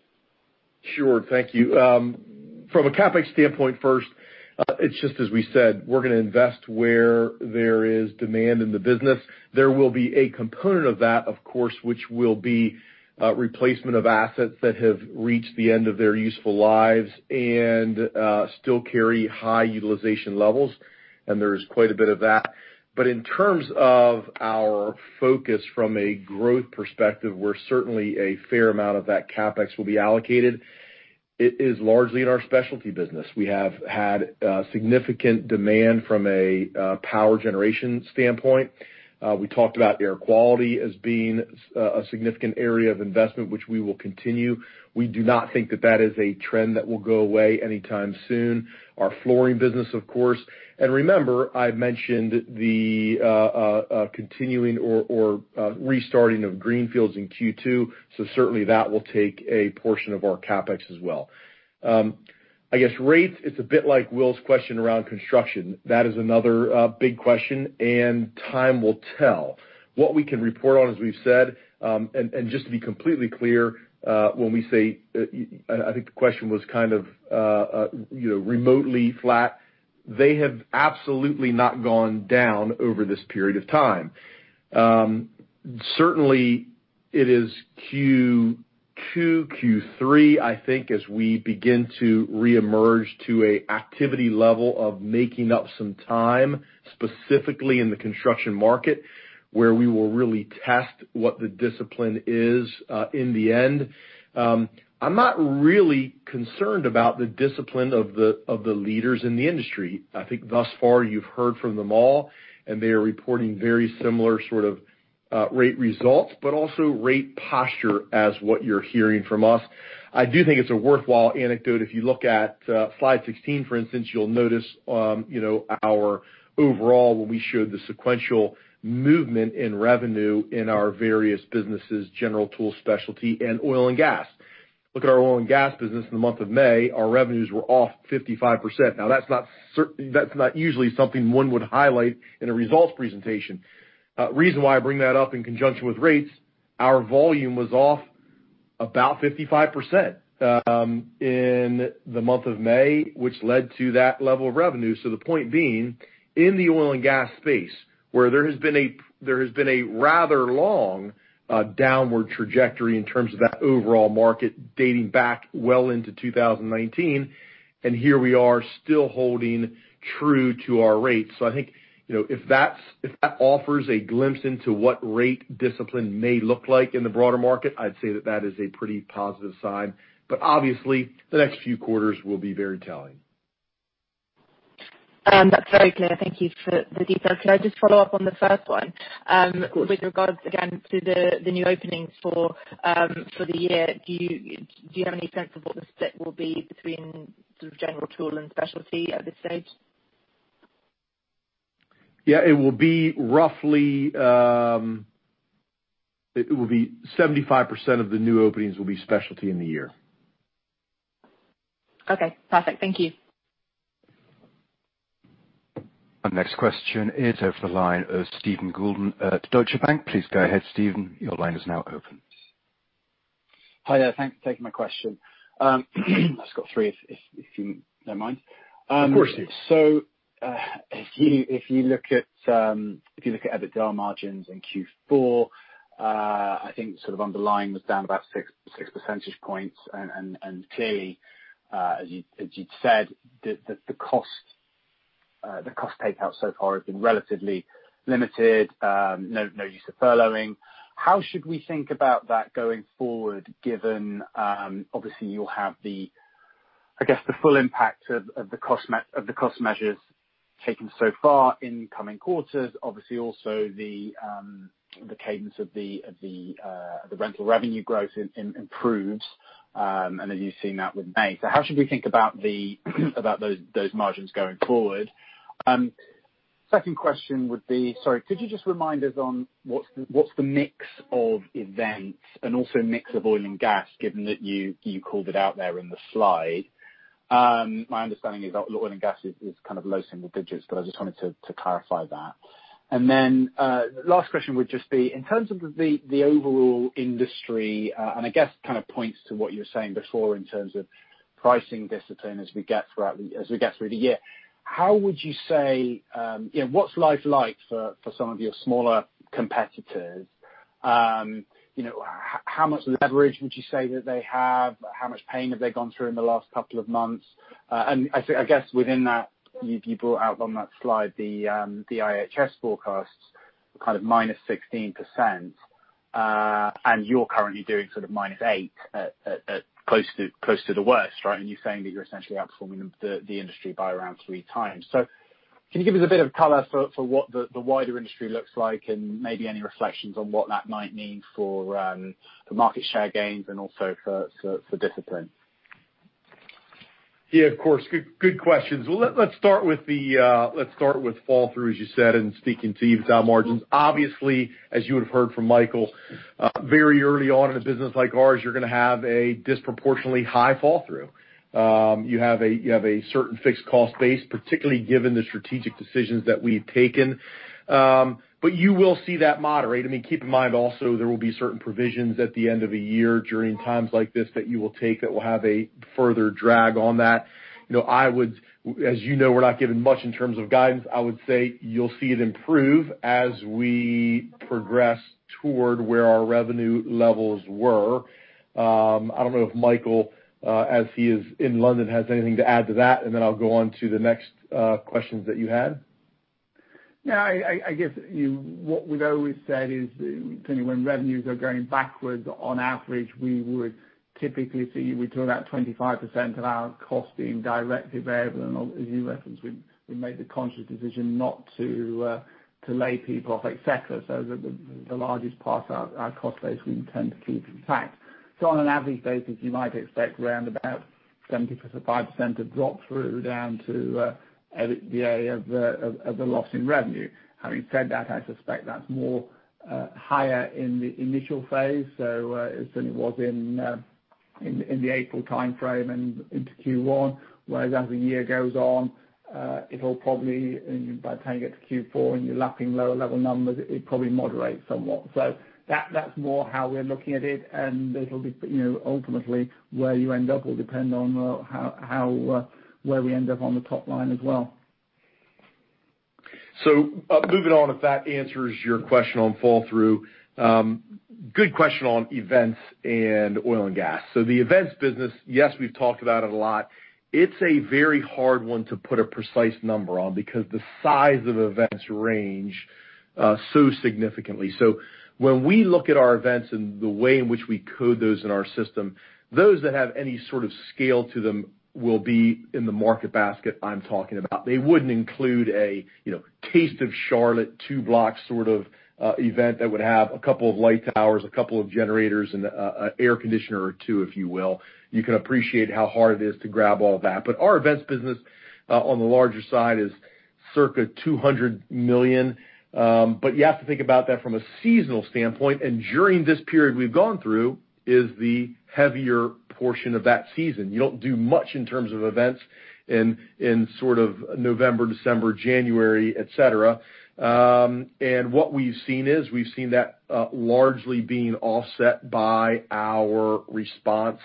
Sure. Thank you. From a CapEx standpoint first, it's just as we said, we're going to invest where there is demand in the business. There will be a component of that, of course, which will be replacement of assets that have reached the end of their useful lives and still carry high utilization levels, and there is quite a bit of that. In terms of our focus from a growth perspective, where certainly a fair amount of that CapEx will be allocated. It is largely in our specialty business. We have had significant demand from a power generation standpoint. We talked about air quality as being a significant area of investment, which we will continue. We do not think that that is a trend that will go away anytime soon. Our flooring business, of course. Remember, I mentioned the continuing or restarting of greenfields in Q2, so certainly that will take a portion of our CapEx as well. Rates, it's a bit like Will's question around construction. That is another big question, time will tell. What we can report on, as we've said, just to be completely clear, when we say, I think the question was kind of remotely flat, they have absolutely not gone down over this period of time. It is Q2, Q3, I think, as we begin to reemerge to an activity level of making up some time, specifically in the construction market, where we will really test what the discipline is in the end. I'm not really concerned about the discipline of the leaders in the industry. I think thus far you've heard from them all, and they are reporting very similar sort of rate results, but also rate posture as what you're hearing from us. I do think it's a worthwhile anecdote. If you look at slide 16, for instance, you'll notice our overall, when we showed the sequential movement in revenue in our various businesses, general tool, specialty, and oil and gas. Look at our oil and gas business in the month of May, our revenues were off 55%. Now, that's not usually something one would highlight in a results presentation. Reason why I bring that up in conjunction with rates, our volume was off about 55% in the month of May, which led to that level of revenue. The point being, in the oil and gas space, where there has been a rather long downward trajectory in terms of that overall market dating back well into 2019, and here we are still holding true to our rates. I think, if that offers a glimpse into what rate discipline may look like in the broader market, I'd say that that is a pretty positive sign. Obviously, the next few quarters will be very telling.
That's very clear. Thank you for the detail. Can I just follow up on the first one?
Of course.
With regards, again, to the new openings for the year, do you have any sense of what the split will be between general tool and specialty at this stage?
Yeah.It will be 75% of the new openings will be specialty in the year.
Okay, perfect. Thank you.
Our next question is over the line of Stephen Goulden at Deutsche Bank. Please go ahead, Stephen. Your line is now open.
Hi, there. Thank you for taking my question. I just got three, if you don't mind.
Of course, Steve.
If you look at EBITDA margins in Q4, I think sort of underlying was down about 6 percentage points. Clearly, as you'd said, the cost takeout so far has been relatively limited. No use of furloughing. How should we think about that going forward, given, obviously, you'll have, I guess, the full impact of the cost measures taken so far in coming quarters? Obviously, also the cadence of the rental revenue growth improves, and as you've seen that with May. How should we think about those margins going forward? Second question. Sorry, could you just remind us on what's the mix of events and also mix of oil and gas, given that you called it out there in the slide? My understanding is that oil and gas is kind of low single digits, but I just wanted to clarify that. Last question would just be, in terms of the overall industry, and I guess kind of points to what you were saying before in terms of pricing discipline as we get through the year, what's life like for some of your smaller competitors? How much leverage would you say that they have? How much pain have they gone through in the last couple of months? I guess within that, you brought out on that slide the IHS forecasts, kind of -16%, and you're currently doing sort of -8% at close to the worst, right? You're saying that you're essentially outperforming the industry by around three times. Can you give us a bit of color for what the wider industry looks like and maybe any reflections on what that might mean for market share gains and also for discipline?
Yeah, of course. Good questions. Let's start with fall-through, as you said, and speaking to EBITDA margins. Obviously, as you would've heard from Michael, very early on in a business like ours, you're going to have a disproportionately high fall-through. You have a certain fixed cost base, particularly given the strategic decisions that we've taken. You will see that moderate. I mean, keep in mind also, there will be certain provisions at the end of a year during times like this that you will take that will have a further drag on that. As you know, we're not giving much in terms of guidance. I would say you'll see it improve as we progress toward where our revenue levels were. I don't know if Michael, as he is in London, has anything to add to that, and then I'll go on to the next questions that you had.
Yeah, I guess what we've always said is, when revenues are going backwards on average, we would typically see we talk about 25% of our cost being directly variable. As you referenced, we made the conscious decision not to lay people off, et cetera. The largest part of our cost base we intend to keep intact. On an average basis, you might expect around about 75% of drop through down to EBITDA of the loss in revenue. Having said that, I suspect that's more higher in the initial phase, so than it was in the April timeframe and into Q1. Whereas as the year goes on, it'll probably by the time you get to Q4 and you're lapping lower level numbers, it probably moderates somewhat. That's more how we're looking at it, and ultimately where you end up will depend on where we end up on the top line as well.
Moving on, if that answers your question on fall through. Good question on events and oil and gas. The events business, yes, we've talked about it a lot. It's a very hard one to put a precise number on because the size of events range so significantly. When we look at our events and the way in which we code those in our system, those that have any sort of scale to them will be in the market basket I'm talking about. They wouldn't include a Taste of Charlotte, two blocks sort of event that would have a couple of light towers, a couple of generators, and an air conditioner or two, if you will. You can appreciate how hard it is to grab all that. Our events business, on the larger side is circa 200 million. You have to think about that from a seasonal standpoint. During this period we've gone through is the heavier portion of that season. You don't do much in terms of events in sort of November, December, January, et cetera. What we've seen is we've seen that largely being offset by our response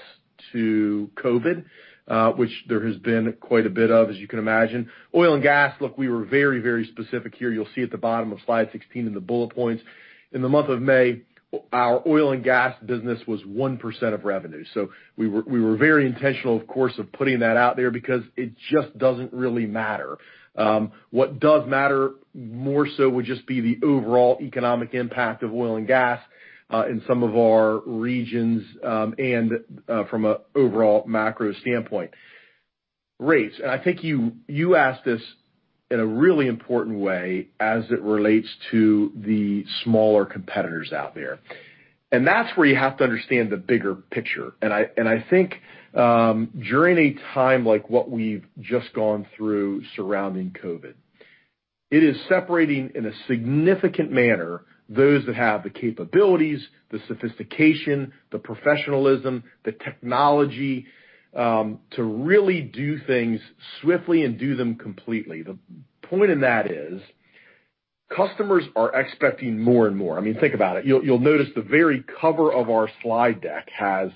to COVID, which there has been quite a bit of, as you can imagine. Oil and gas. Look, we were very, very specific here. You'll see at the bottom of slide 16 in the bullet points. In the month of May, our oil and gas business was 1% of revenue. We were very intentional, of course, of putting that out there because it just doesn't really matter. What does matter more so would just be the overall economic impact of oil and gas, in some of our regions, and from an overall macro standpoint. Rates, I think you asked this in a really important way as it relates to the smaller competitors out there. That's where you have to understand the bigger picture. I think during a time like what we've just gone through surrounding COVID. It is separating in a significant manner those that have the capabilities, the sophistication, the professionalism, the technology to really do things swiftly and do them completely. The point in that is customers are expecting more and more. I mean think about it. You'll notice the very cover of our slide deck has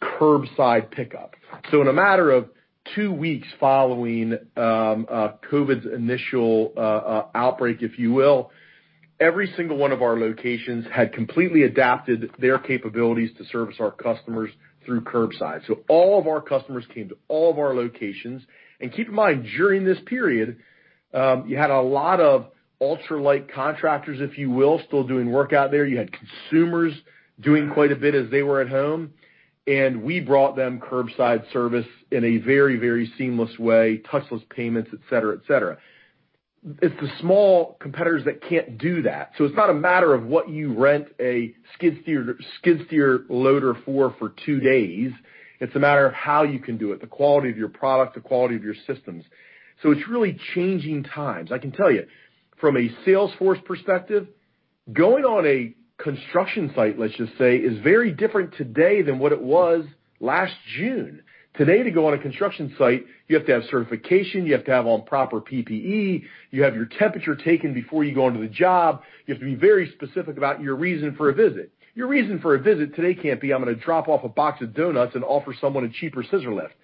curbside pickup. In a matter of two weeks following COVID's initial outbreak, if you will, every single one of our locations had completely adapted their capabilities to service our customers through curbside. All of our customers came to all of our locations. Keep in mind, during this period, you had a lot of ultra light contractors, if you will, still doing work out there. You had consumers doing quite a bit as they were at home, and we brought them curbside service in a very, very seamless way, touchless payments, et cetera. It's the small competitors that can't do that. It's not a matter of what you rent a skid steer loader for two days. It's a matter of how you can do it, the quality of your product, the quality of your systems. It's really changing times. I can tell you from a sales force perspective, going on a construction site, let's just say, is very different today than what it was last June. Today, to go on a construction site, you have to have certification, you have to have on proper PPE, you have your temperature taken before you go onto the job. You have to be very specific about your reason for a visit. Your reason for a visit today can't be, I'm going to drop off a box of donuts and offer someone a cheaper scissor lift.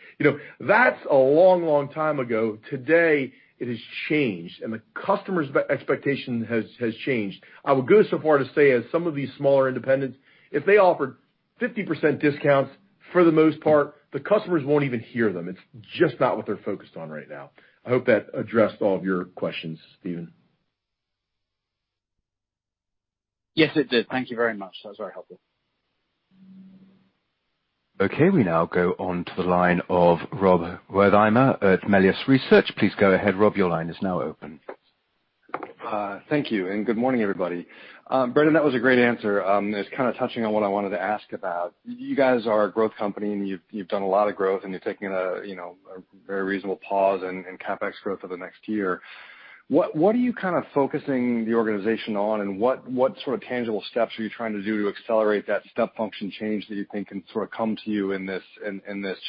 That's a long, long time ago. Today it has changed, and the customer's expectation has changed. I would go so far to say as some of these smaller independents, if they offered 50% discounts for the most part, the customers won't even hear them. It's just not what they're focused on right now. I hope that addressed all of your questions, Stephen.
Yes, it did. Thank you very much. That was very helpful.
Okay, we now go on to the line of Rob Wertheimer at Melius Research. Please go ahead, Rob. Your line is now open.
Thank you. Good morning, everybody. Brendan, that was a great answer. It's kind of touching on what I wanted to ask about. You guys are a growth company, you've done a lot of growth, and you're taking a very reasonable pause in CapEx growth for the next year. What are you kind of focusing the organization on, what sort of tangible steps are you trying to do to accelerate that step function change that you think can sort of come to you in this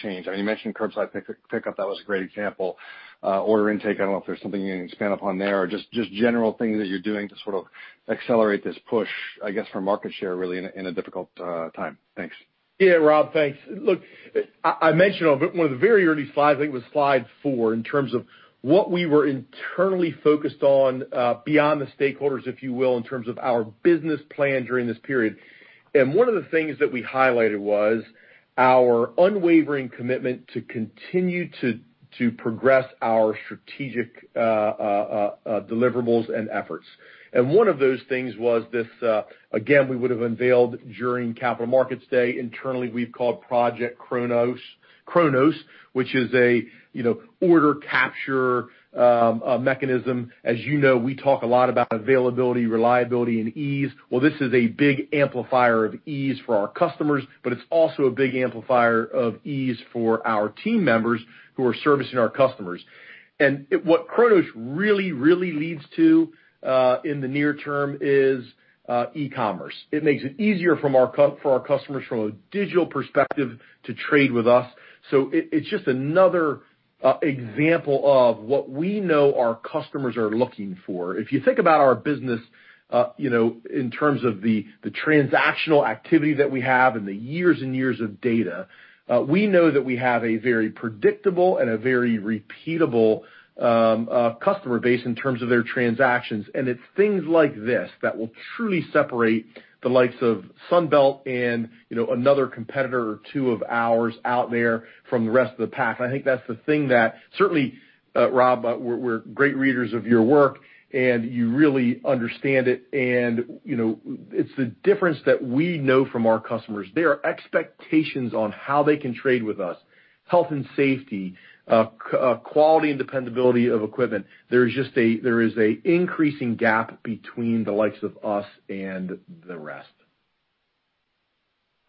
change? I mean, you mentioned curbside pickup. That was a great example. Order intake. I don't know if there's something you can expand upon there or just general things that you're doing to sort of accelerate this push, I guess, for market share, really, in a difficult time. Thanks.
Yeah, Rob, thanks. Look, I mentioned on one of the very early slides, I think it was slide four, in terms of what we were internally focused on beyond the stakeholders, if you will, in terms of our business plan during this period. One of the things that we highlighted was our unwavering commitment to continue to progress our strategic deliverables and efforts. One of those things was this, again, we would have unveiled during Capital Markets Day, internally, we've called Project Kronos, which is an order capture mechanism. As you know, we talk a lot about availability, reliability, and ease. Well, this is a big amplifier of ease for our customers, but it's also a big amplifier of ease for our team members who are servicing our customers. What Kronos really leads to in the near term is e-commerce. It makes it easier for our customers from a digital perspective to trade with us. It's just another example of what we know our customers are looking for. If you think about our business in terms of the transactional activity that we have and the years and years of data, we know that we have a very predictable and a very repeatable customer base in terms of their transactions. It's things like this that will truly separate the likes of Sunbelt and another competitor or two of ours out there from the rest of the pack. I think that's the thing that certainly, Rob, we're great readers of your work, and you really understand it. It's the difference that we know from our customers, their expectations on how they can trade with us, health and safety, quality and dependability of equipment. There is a increasing gap between the likes of us and the rest.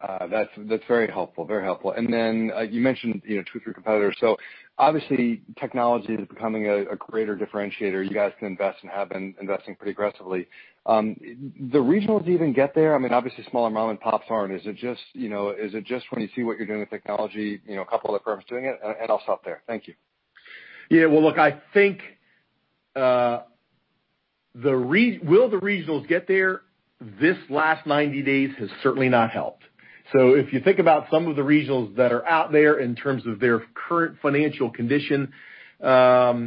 That's very helpful. Then you mentioned two or three competitors. Obviously technology is becoming a greater differentiator. You guys can invest and have been investing pretty aggressively. The regionals even get there? I mean, obviously smaller mom and pops aren't. Is it just when you see what you're doing with technology, a couple other firms doing it? I'll stop there. Thank you.
Yeah. Well, look, I think will the regionals get there? This last 90 days has certainly not helped. If you think about some of the regionals that are out there in terms of their current financial condition, they're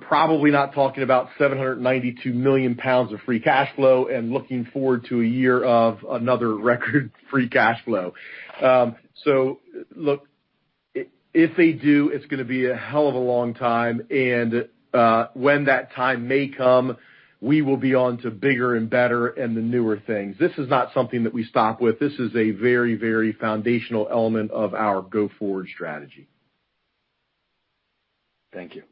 probably not talking about 792 million pounds of free cash flow and looking forward to a year of another record free cash flow. Look, if they do, it's going to be a hell of a long time. And when that time may come, we will be on to bigger and better and the newer things. This is not something that we stop with. This is a very, very foundational element of our go-forward strategy.
Thank you.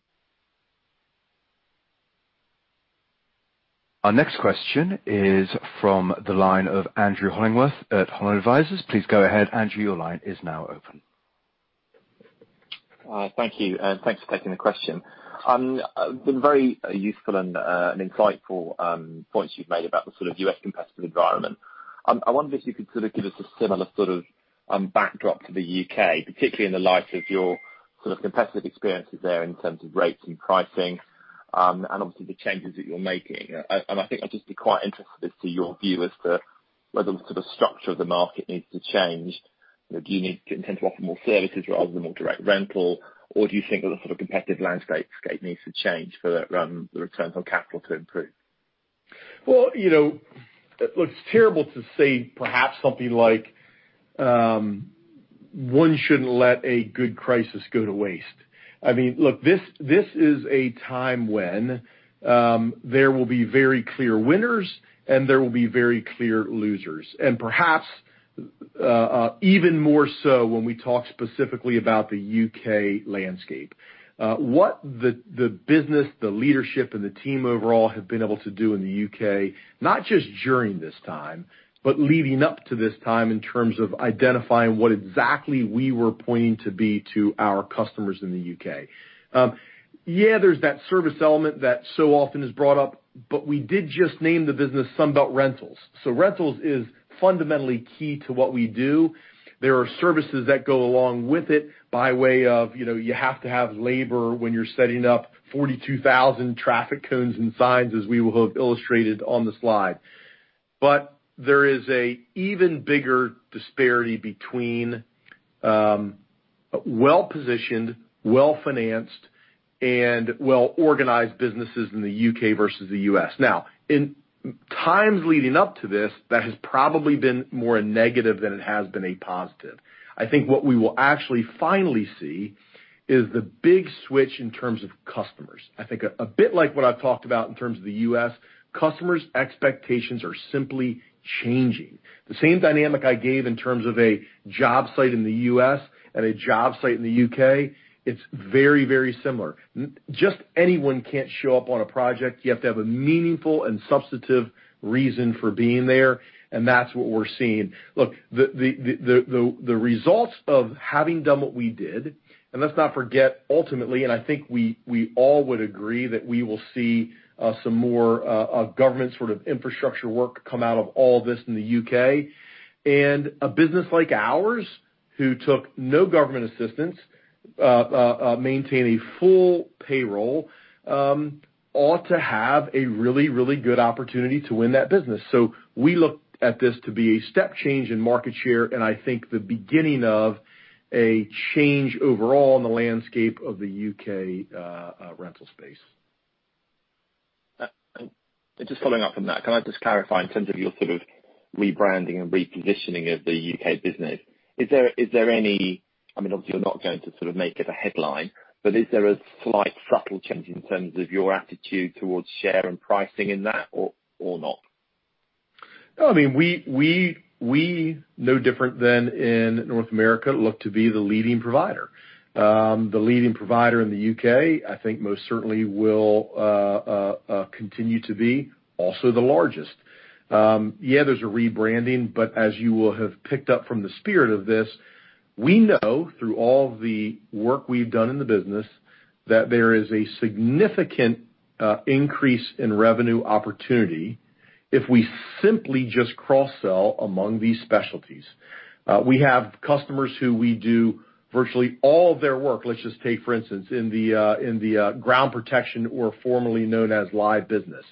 Our next question is from the line of Andrew Hollingworth at Holland Advisors. Please go ahead, Andrew. Your line is now open.
Thank you, and thanks for taking the question. Been very useful and insightful points you've made about the sort of U.S. competitive environment. I wonder if you could sort of give us a similar sort of backdrop to the U.K., particularly in the light of your sort of competitive experiences there in terms of rates and pricing, and obviously the changes that you're making. I think I'd just be quite interested as to your view as to whether the sort of structure of the market needs to change. Do you need to intend to offer more services rather than more direct rental? Do you think that the sort of competitive landscape needs to change for the returns on capital to improve?
Well, look, it's terrible to say perhaps something like, one shouldn't let a good crisis go to waste. I mean, look, this is a time when there will be very clear winners and there will be very clear losers, and perhaps even more so when we talk specifically about the U.K. landscape. What the business, the leadership, and the team overall have been able to do in the U.K., not just during this time, but leading up to this time in terms of identifying what exactly we were pointing to be to our customers in the U.K. Yeah, there's that service element that so often is brought up, but we did just name the business Sunbelt Rentals. Rentals is fundamentally key to what we do. There are services that go along with it by way of, you have to have labor when you're setting up 42,000 traffic cones and signs as we will have illustrated on the slide. There is a even bigger disparity between well-positioned, well-financed, and well-organized businesses in the U.K. versus the U.S. In times leading up to this, that has probably been more a negative than it has been a positive. I think what we will actually finally see is the big switch in terms of customers. I think a bit like what I've talked about in terms of the U.S., customers' expectations are simply changing. The same dynamic I gave in terms of a job site in the U.S. and a job site in the U.K., it's very, very similar. Just anyone can't show up on a project. You have to have a meaningful and substantive reason for being there, and that's what we're seeing. Look, the results of having done what we did, let's not forget ultimately, and I think we all would agree that we will see some more government sort of infrastructure work come out of all this in the U.K. A business like ours who took no government assistance, maintain a full payroll, ought to have a really good opportunity to win that business. We look at this to be a step change in market share, and I think the beginning of a change overall in the landscape of the U.K. rental space.
Just following up from that, can I just clarify in terms of your rebranding and repositioning of the U.K. business, obviously you're not going to make it a headline, but is there a slight subtle change in terms of your attitude towards share and pricing in that or not?
No, we're no different than in North America, look to be the leading provider. The leading provider in the U.K., I think most certainly will continue to be also the largest. Yeah, there's a rebranding, but as you will have picked up from the spirit of this, we know through all the work we've done in the business that there is a significant increase in revenue opportunity if we simply just cross-sell among these specialties. We have customers who we do virtually all of their work. Let's just take, for instance, in the ground protection or formerly known as live business.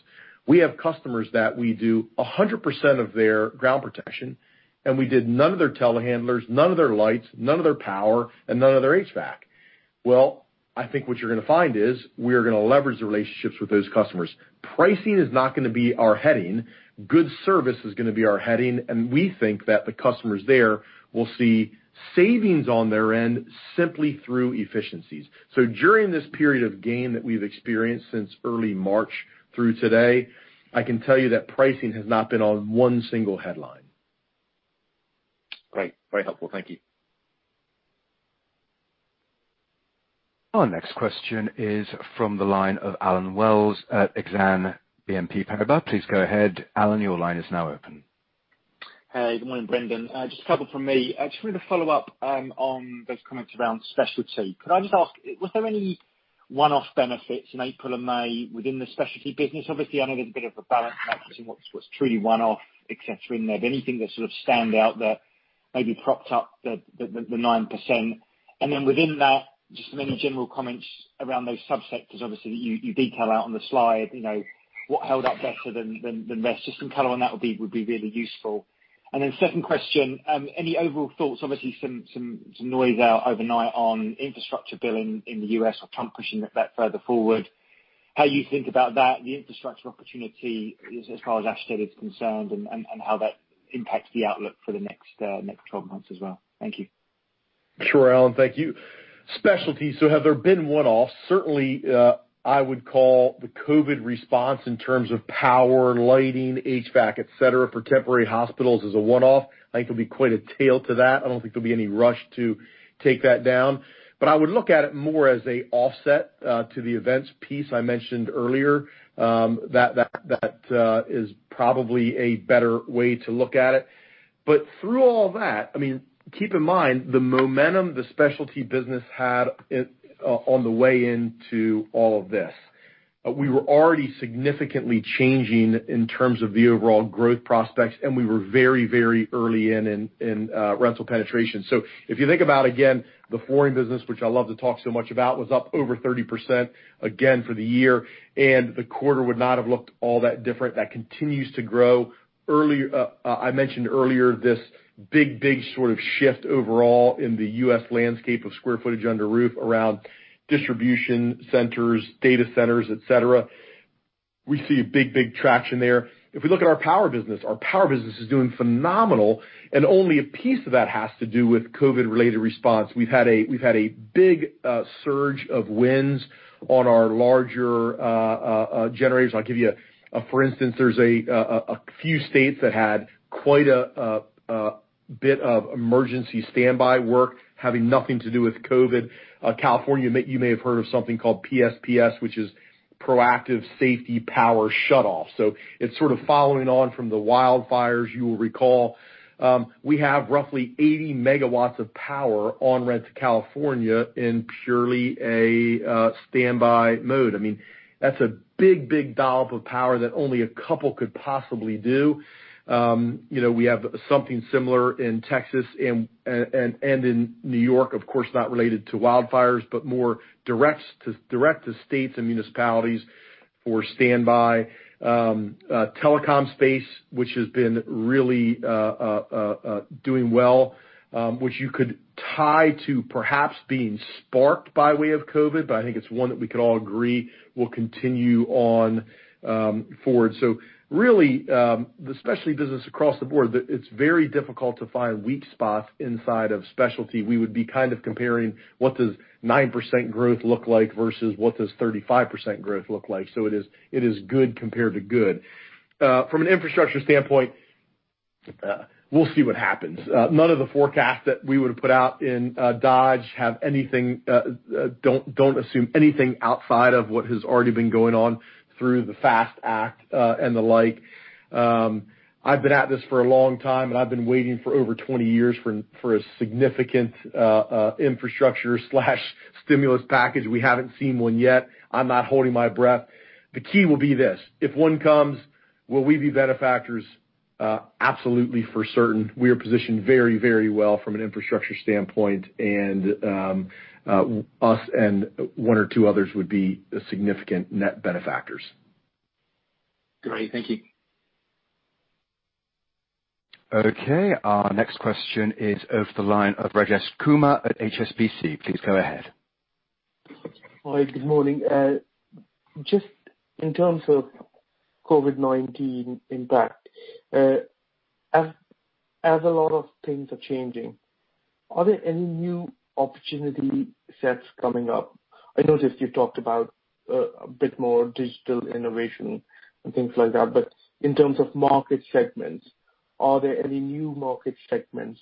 We have customers that we do 100% of their ground protection, and we did none of their telehandlers, none of their lights, none of their power, and none of their HVAC. Well, I think what you're going to find is we are going to leverage the relationships with those customers. Pricing is not going to be our heading. Good service is going to be our heading, and we think that the customers there will see savings on their end simply through efficiencies. During this period of gain that we've experienced since early March through today, I can tell you that pricing has not been on one single headline.
Great. Very helpful. Thank you.
Our next question is from the line of Allen Wells at Exane BNP Paribas. Please go ahead, Allen, your line is now open.
Hey, good morning, Brendan. Just a couple from me. Just wanted to follow up on those comments around specialty. Could I just ask, were there any one-off benefits in April and May within the specialty business? Obviously, I know there's a bit of a balance between what's truly one-off, et cetera, in there. Anything that sort of stand out that maybe propped up the 9%? Within that, just any general comments around those subsectors, obviously, that you detail out on the slide. What held up better than the rest? Just some color on that would be really useful. Second question, any overall thoughts? Obviously, some noise out overnight on infrastructure billing in the U.S. of Trump pushing that further forward. How you think about that and the infrastructure opportunity as far as Ashtead is concerned and how that impacts the outlook for the next 12 months as well? Thank you.
Sure, Allen. Thank you. Specialty. Have there been one-offs? Certainly, I would call the COVID response in terms of power, lighting, HVAC, et cetera, for temporary hospitals as a one-off. I think there'll be quite a tail to that. I don't think there'll be any rush to take that down. I would look at it more as a offset to the events piece I mentioned earlier. That is probably a better way to look at it. Through all that, keep in mind the momentum the specialty business had on the way into all of this. We were already significantly changing in terms of the overall growth prospects, and we were very early in rental penetration. If you think about, again, the flooring business, which I love to talk so much about, was up over 30% again for the year, and the quarter would not have looked all that different. That continues to grow. I mentioned earlier this big sort of shift overall in the U.S. landscape of square footage under roof, around distribution centers, data centers, et cetera. We see a big traction there. If we look at our power business, our power business is doing phenomenal, and only a piece of that has to do with COVID related response. We've had a big surge of wins on our larger generators. I'll give you a for instance, there's a few states that had quite a bit of emergency standby work, having nothing to do with COVID. California, you may have heard of something called PSPS, which is Proactive Safety Power Shutoff. It's sort of following on from the wildfires you will recall. We have roughly 80 MW of power on rent to California in purely a standby mode. That's a big dollop of power that only a couple could possibly do. We have something similar in Texas and in New York, of course, not related to wildfires, but more direct to states and municipalities for standby. Telecom space, which has been really doing well, which you could tie to perhaps being sparked by way of COVID, but I think it's one that we could all agree will continue on forward. Really, the specialty business across the board, it's very difficult to find weak spots inside of specialty. We would be kind of comparing what does 9% growth look like versus what does 35% growth look like. It is good compared to good. From an infrastructure standpoint, we'll see what happens. None of the forecasts that we would have put out in Dodge don't assume anything outside of what has already been going on through the FAST Act and the like. I've been at this for a long time, and I've been waiting for over 20 years for a significant infrastructure/stimulus package. We haven't seen one yet. I'm not holding my breath. The key will be this. If one comes, will we be benefactors? Absolutely for certain. We are positioned very well from an infrastructure standpoint, and us and one or two others would be significant net benefactors.
Great. Thank you.
Okay. Our next question is over the line of Rajesh Kumar at HSBC. Please go ahead.
Hi. Good morning. Just in terms of COVID-19 impact, as a lot of things are changing, are there any new opportunity sets coming up? I noticed you talked about a bit more digital innovation and things like that, but in terms of market segments, are there any new market segments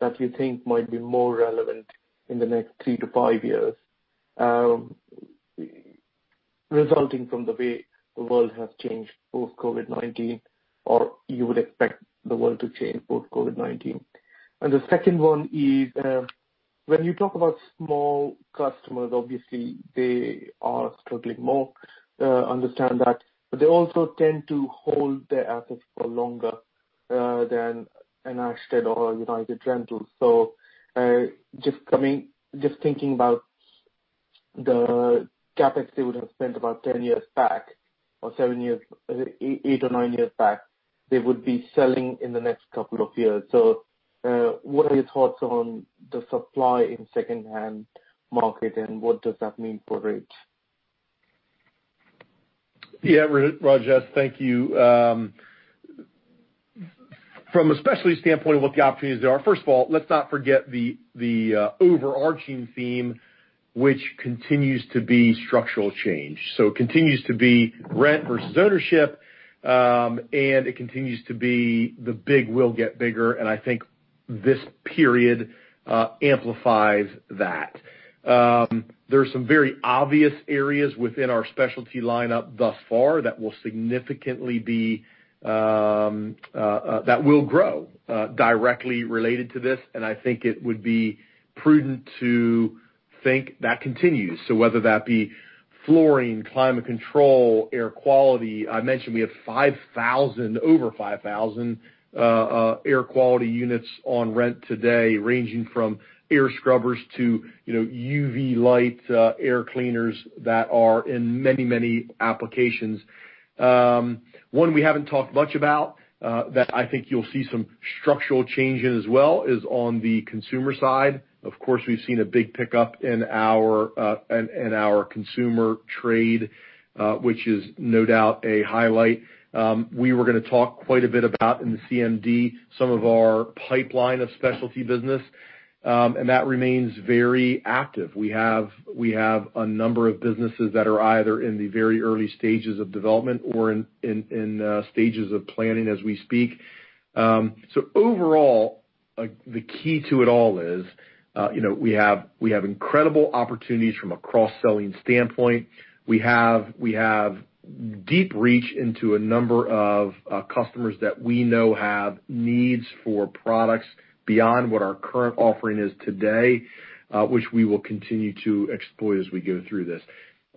that you think might be more relevant in the next three to five years, resulting from the way the world has changed post COVID-19, or you would expect the world to change post COVID-19? The second one is, when you talk about small customers, obviously, they are struggling more, understand that, but they also tend to hold their assets for longer than an Ashtead or a United Rentals. Just thinking about the CapEx they would have spent about 10 years back, or seven years, eight or nine years back, they would be selling in the next couple of years. What are your thoughts on the supply in secondhand market, and what does that mean for rates?
Yeah. Rajesh, thank you. From a specialty standpoint of what the opportunities are, first of all, let's not forget the overarching theme, which continues to be structural change. It continues to be rent versus ownership, and it continues to be the big will get bigger, and I think this period amplifies that. There are some very obvious areas within our specialty lineup thus far that will grow directly related to this, and I think it would be prudent to think that continues, whether that be flooring, climate control, air quality. I mentioned we have over 5,000 air quality units on rent today, ranging from air scrubbers to UV light air cleaners that are in many, many applications. One we haven't talked much about, that I think you'll see some structural change in as well, is on the consumer side. Of course, we've seen a big pickup in our consumer trade, which is no doubt a highlight. We were going to talk quite a bit about, in the CMD, some of our pipeline of specialty business. That remains very active. We have a number of businesses that are either in the very early stages of development or in stages of planning as we speak. Overall, the key to it all is we have incredible opportunities from a cross-selling standpoint. We have deep reach into a number of customers that we know have needs for products beyond what our current offering is today, which we will continue to exploit as we go through this.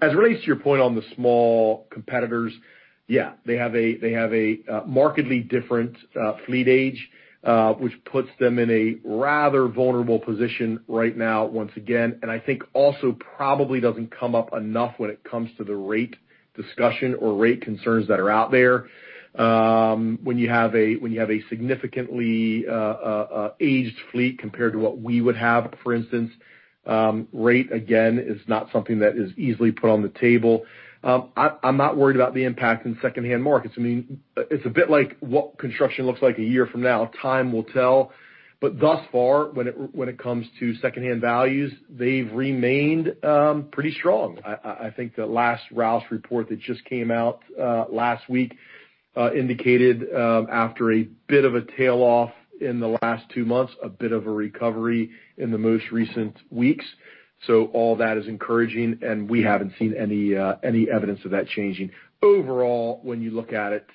As it relates to your point on the small competitors, yeah, they have a markedly different fleet age, which puts them in a rather vulnerable position right now once again, and I think also probably doesn't come up enough when it comes to the rate discussion or rate concerns that are out there. When you have a significantly aged fleet compared to what we would have, for instance, rate again is not something that is easily put on the table. I'm not worried about the impact in secondhand markets. It's a bit like what construction looks like a year from now. Time will tell. Thus far, when it comes to secondhand values, they've remained pretty strong. I think the last Rouse report that just came out last week indicated, after a bit of a tail off in the last two months, a bit of a recovery in the most recent weeks. All that is encouraging, and we haven't seen any evidence of that changing. Overall, when you look at it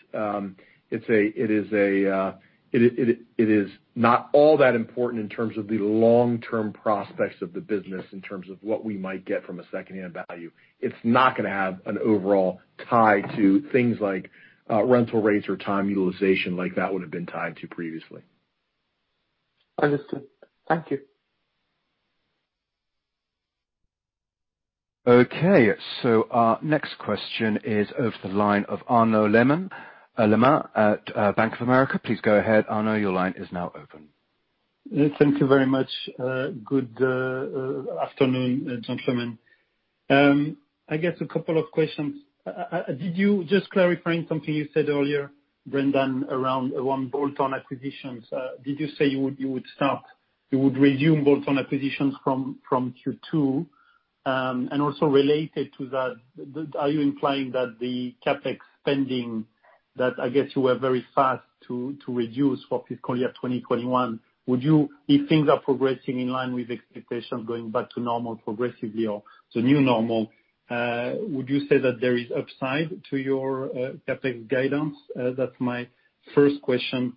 is not all that important in terms of the long-term prospects of the business in terms of what we might get from a secondhand value. It's not going to have an overall tie to things like rental rates or time utilization like that would've been tied to previously.
Understood. Thank you.
Okay, our next question is over the line of Arnaud Lehmann at Bank of America. Please go ahead, Arnaud. Your line is now open.
Thank you very much. Good afternoon, gentlemen. I guess a couple of questions. Just clarifying something you said earlier, Brendan, around one bolt-on acquisitions. Did you say you would resume bolt-on acquisitions from Q2? Also related to that, are you implying that the CapEx spending that I guess you were very fast to reduce for fiscal year 2021, if things are progressing in line with expectations going back to normal progressively, or to new normal, would you say that there is upside to your CapEx guidance? That's my first question.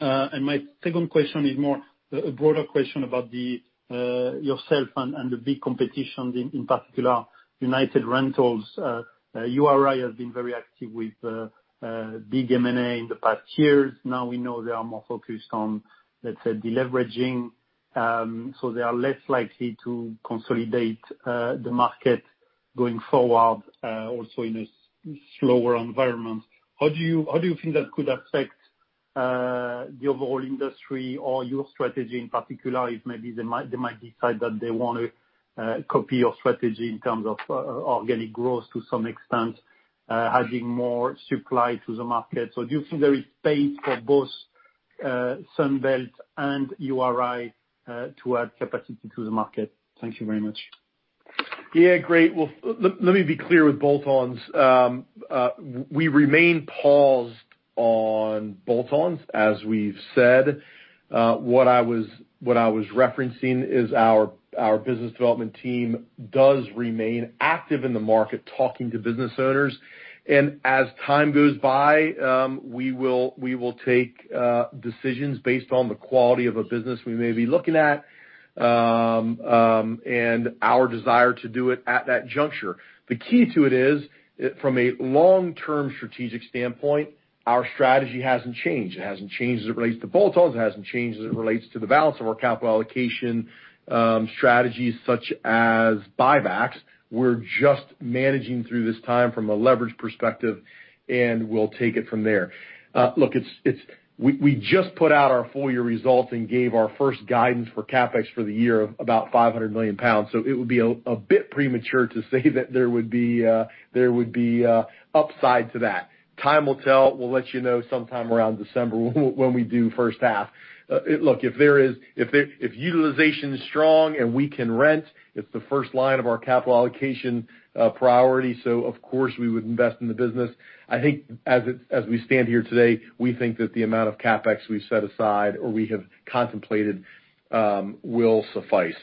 My second question is more a broader question about yourself and the big competition, in particular, United Rentals. URI has been very active with big M&A in the past years. Now we know they are more focused on, let's say, deleveraging. They are less likely to consolidate the market. Going forward, also in a slower environment, how do you think that could affect the overall industry or your strategy in particular? If maybe they might decide that they want to copy your strategy in terms of organic growth to some extent, adding more supply to the market. Do you think there is space for both Sunbelt and URI to add capacity to the market? Thank you very much.
Yeah, great. Well, let me be clear with bolt-ons. We remain paused on bolt-ons, as we've said. What I was referencing is our business development team does remain active in the market, talking to business owners. As time goes by, we will take decisions based on the quality of a business we may be looking at, and our desire to do it at that juncture. The key to it is, from a long-term strategic standpoint, our strategy hasn't changed. It hasn't changed as it relates to bolt-ons. It hasn't changed as it relates to the balance of our capital allocation strategies, such as buybacks. We're just managing through this time from a leverage perspective, and we'll take it from there. Look, we just put out our full year results and gave our first guidance for CapEx for the year of about 500 million pounds. It would be a bit premature to say that there would be upside to that. Time will tell. We'll let you know sometime around December when we do first half. If utilization is strong and we can rent, it's the first line of our capital allocation priority, so of course, we would invest in the business. I think as we stand here today, we think that the amount of CapEx we've set aside, or we have contemplated, will suffice.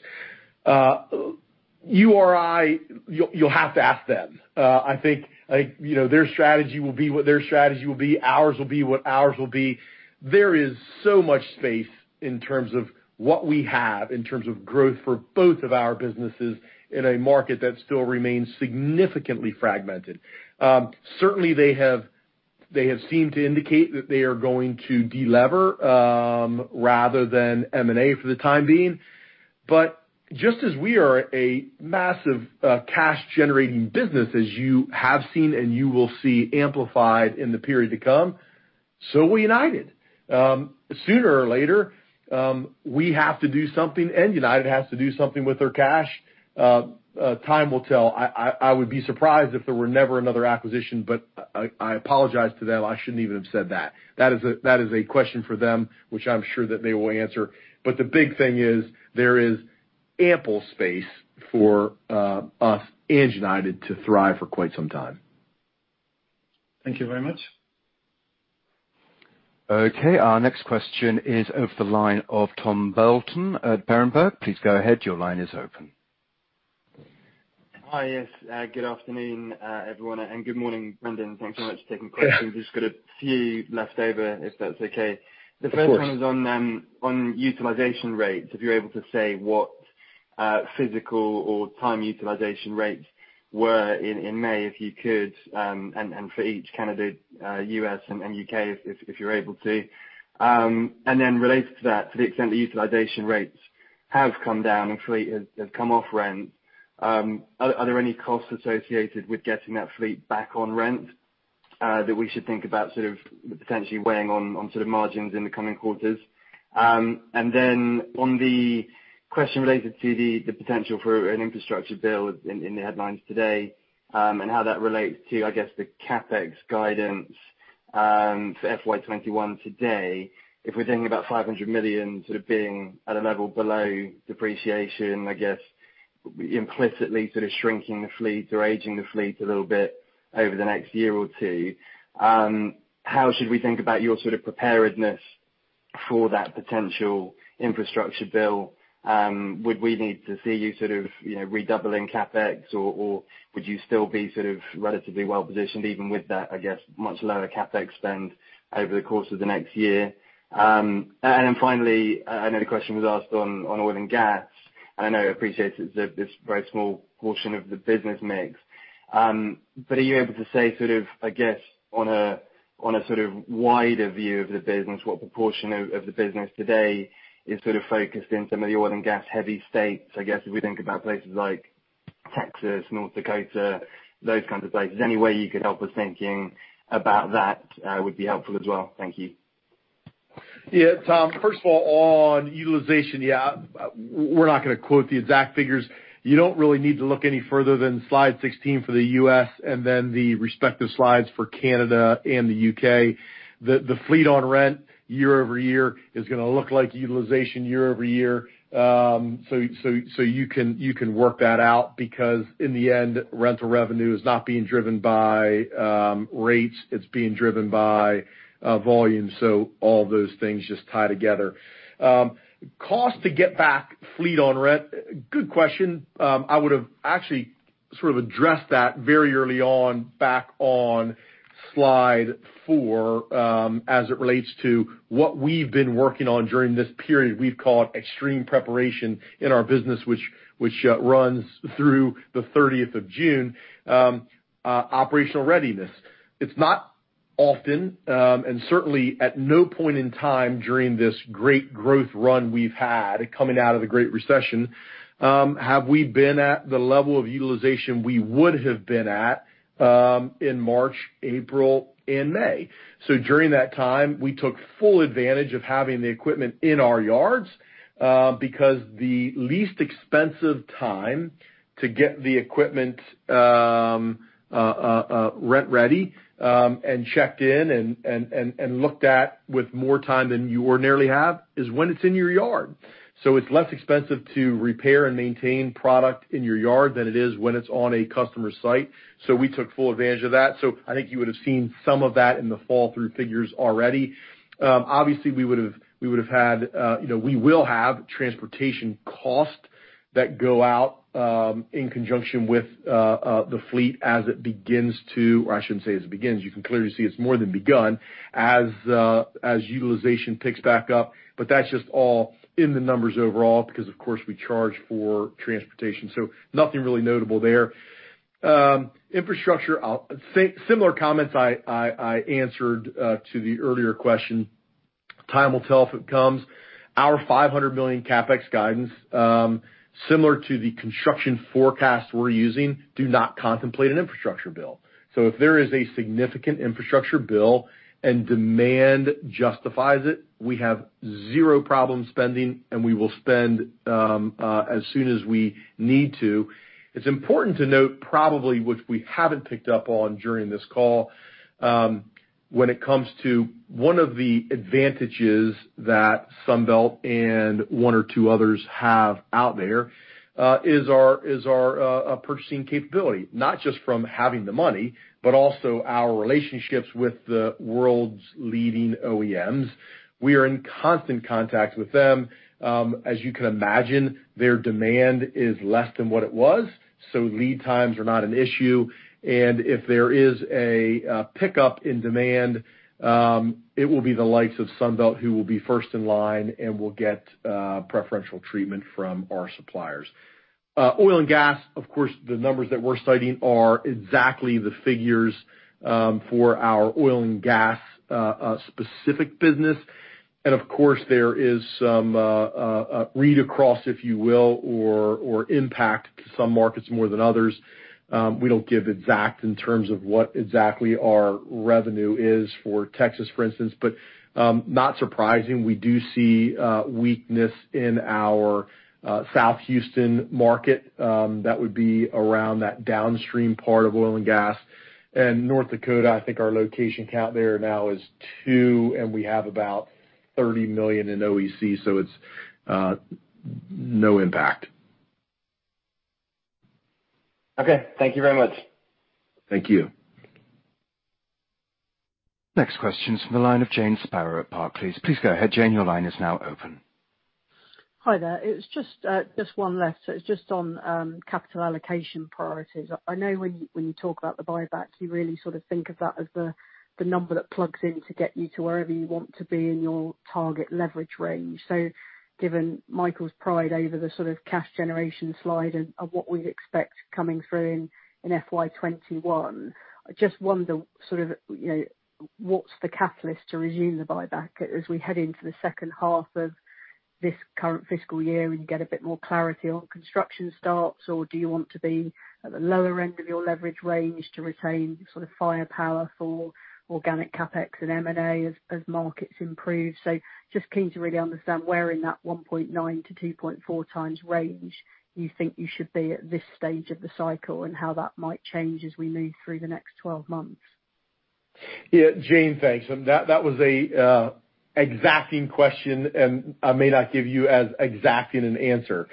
URI, you'll have to ask them. I think their strategy will be what their strategy will be. Ours will be what ours will be. There is so much space in terms of what we have in terms of growth for both of our businesses in a market that still remains significantly fragmented. Certainly, they have seemed to indicate that they are going to de-lever rather than M&A for the time being. Just as we are a massive cash-generating business as you have seen and you will see amplified in the period to come, so will United. Sooner or later, we have to do something, and United has to do something with their cash. Time will tell. I would be surprised if there were never another acquisition, but I apologize to them. I shouldn't even have said that. That is a question for them, which I'm sure that they will answer. The big thing is there is ample space for us and United to thrive for quite some time.
Thank you very much.
Okay, our next question is over the line of Tom Burlton at Berenberg. Please go ahead. Your line is open.
Hi. Yes. Good afternoon, everyone, and good morning, Brendan. Thanks so much for taking questions. Just got a few left over, if that's okay.
Of course.
The first one is on utilization rates. If you're able to say what physical or time utilization rates were in May, if you could, and for each candidate, U.S. and U.K., if you're able to. Related to that, to the extent the utilization rates have come down and fleet has come off rent, are there any costs associated with getting that fleet back on rent that we should think about potentially weighing on sort of margins in the coming quarters? On the question related to the potential for an infrastructure build in the headlines today, and how that relates to, I guess, the CapEx guidance for FY 2021 today. If we're thinking about 500 million sort of being at a level below depreciation, I guess implicitly sort of shrinking the fleet or aging the fleet a little bit over the next year or two, how should we think about your sort of preparedness for that potential infrastructure bill? Would we need to see you sort of redoubling CapEx, or would you still be sort of relatively well-positioned even with that, I guess, much lower CapEx spend over the course of the next year? Finally, I know the question was asked on oil and gas, and I know, I appreciate it's a very small portion of the business mix. Are you able to say sort of, I guess, on a sort of wider view of the business, what proportion of the business today is sort of focused in some of the oil and gas-heavy states? I guess if we think about places like Texas, North Dakota, those kinds of places. Any way you could help with thinking about that would be helpful as well. Thank you.
Yeah. Tom, first of all on utilization, we're not going to quote the exact figures. You don't really need to look any further than slide 16 for the U.S. and then the respective slides for Canada and the U.K. The fleet on rent year-over-year is going to look like utilization year-over-year. You can work that out because in the end, rental revenue is not being driven by rates, it's being driven by volume. All those things just tie together. Cost to get back fleet on rent. Good question. I would have actually sort of addressed that very early on, back on slide four as it relates to what we've been working on during this period. We've called extreme preparation in our business, which runs through the 30th of June. Operational readiness. It's not often, and certainly at no point in time during this great growth run we’ve had coming out of the Great Recession, have we been at the level of utilization we would have been at in March, April, and May. During that time, we took full advantage of having the equipment in our yards because the least expensive time to get the equipment rent-ready and checked in and looked at with more time than you ordinarily have is when it’s in your yard. It’s less expensive to repair and maintain product in your yard than it is when it’s on a customer site. We took full advantage of that. I think you would have seen some of that in the fall through figures already. Obviously, we will have transportation costs that go out in conjunction with the fleet as it begins. You can clearly see it's more than begun as utilization picks back up. That's just all in the numbers overall because, of course, we charge for transportation. Nothing really notable there. Infrastructure, similar comments I answered to the earlier question. Time will tell if it comes. Our 500 million CapEx guidance, similar to the construction forecast we're using, do not contemplate an infrastructure bill. If there is a significant infrastructure bill and demand justifies it, we have zero problem spending, and we will spend as soon as we need to. It's important to note, probably, which we haven't picked up on during this call, when it comes to one of the advantages that Sunbelt and one or two others have out there is our purchasing capability. Not just from having the money, but also our relationships with the world's leading OEMs. We are in constant contact with them. As you can imagine, their demand is less than what it was, so lead times are not an issue. If there is a pickup in demand, it will be the likes of Sunbelt who will be first in line and will get preferential treatment from our suppliers. Oil and gas. Of course, the numbers that we're citing are exactly the figures for our oil and gas specific business. Of course, there is some read across, if you will, or impact to some markets more than others. We don't give exact in terms of what exactly our revenue is for Texas, for instance. Not surprising, we do see weakness in our South Houston market. That would be around that downstream part of oil and gas. North Dakota, I think our location count there now is two, and we have about 30 million in OEC, so it's no impact.
Okay. Thank you very much.
Thank you.
Next question is from the line of Jane Sparrow at Barclays. Please go ahead, Jane, your line is now open.
Hi, there. It's just one left. It's just on capital allocation priorities. I know when you talk about the buybacks, you really sort of think of that as the number that plugs in to get you to wherever you want to be in your target leverage range. Given Michael's pride over the sort of cash generation slide and what we'd expect coming through in FY 2021, I just wonder, sort of what's the catalyst to resume the buyback as we head into the second half of this current fiscal year and get a bit more clarity on construction starts? Do you want to be at the lower end of your leverage range to retain sort of firepower for organic CapEx and M&A as markets improve? Just keen to really understand where in that 1.9x-2.4x range you think you should be at this stage of the cycle, and how that might change as we move through the next 12 months.
Yeah. Jane, thanks. That was an exacting question, and I may not give you as exact in an answer.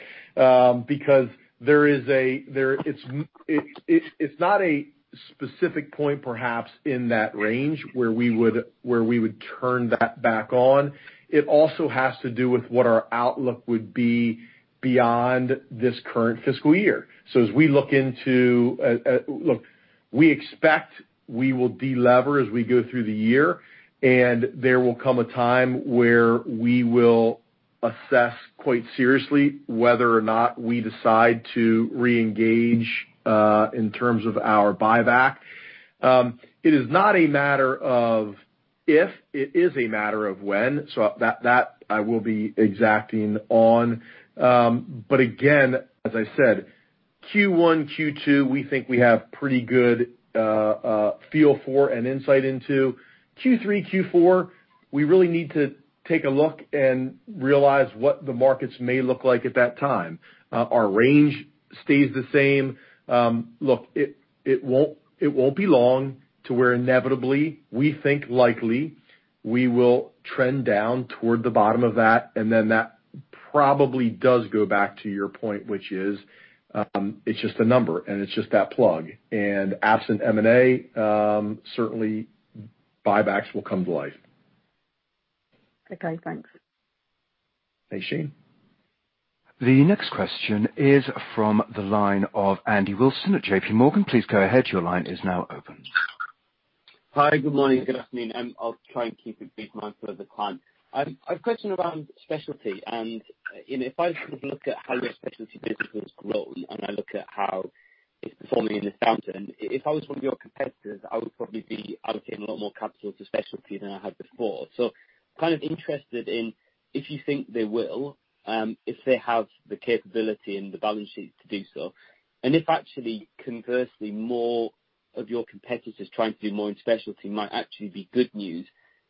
It's not a specific point, perhaps, in that range where we would turn that back on. It also has to do with what our outlook would be beyond this current fiscal year. Look, we expect we will de-lever as we go through the year, and there will come a time where we will assess quite seriously whether or not we decide to re-engage in terms of our buyback. It is not a matter of if, it is a matter of when. That I will be exacting on. Again, as I said, Q1, Q2, we think we have pretty good feel for and insight into. Q3, Q4, we really need to take a look and realize what the markets may look like at that time. Our range stays the same. Look, it won't be long to where inevitably, we think likely, we will trend down toward the bottom of that, and then that probably does go back to your point, which is, it's just a number and it's just that plug. Absent M&A, certainly buybacks will come to life.
Okay, thanks.
Thanks, Jane.
The next question is from the line of Andy Wilson at JPMorgan. Please go ahead. Your line is now open.
Hi. Good morning. Good afternoon. I'll try and keep it brief mindful of the time. I've a question around specialty, and if I look at how your specialty business has grown and I look at how it's performing in this downturn, if I was one of your competitors, I would probably be allocating a lot more capital to specialty than I had before. Kind of interested in if you think they will, if they have the capability and the balance sheet to do so, and if actually conversely, more of your competitors trying to do more in specialty might actually be good news,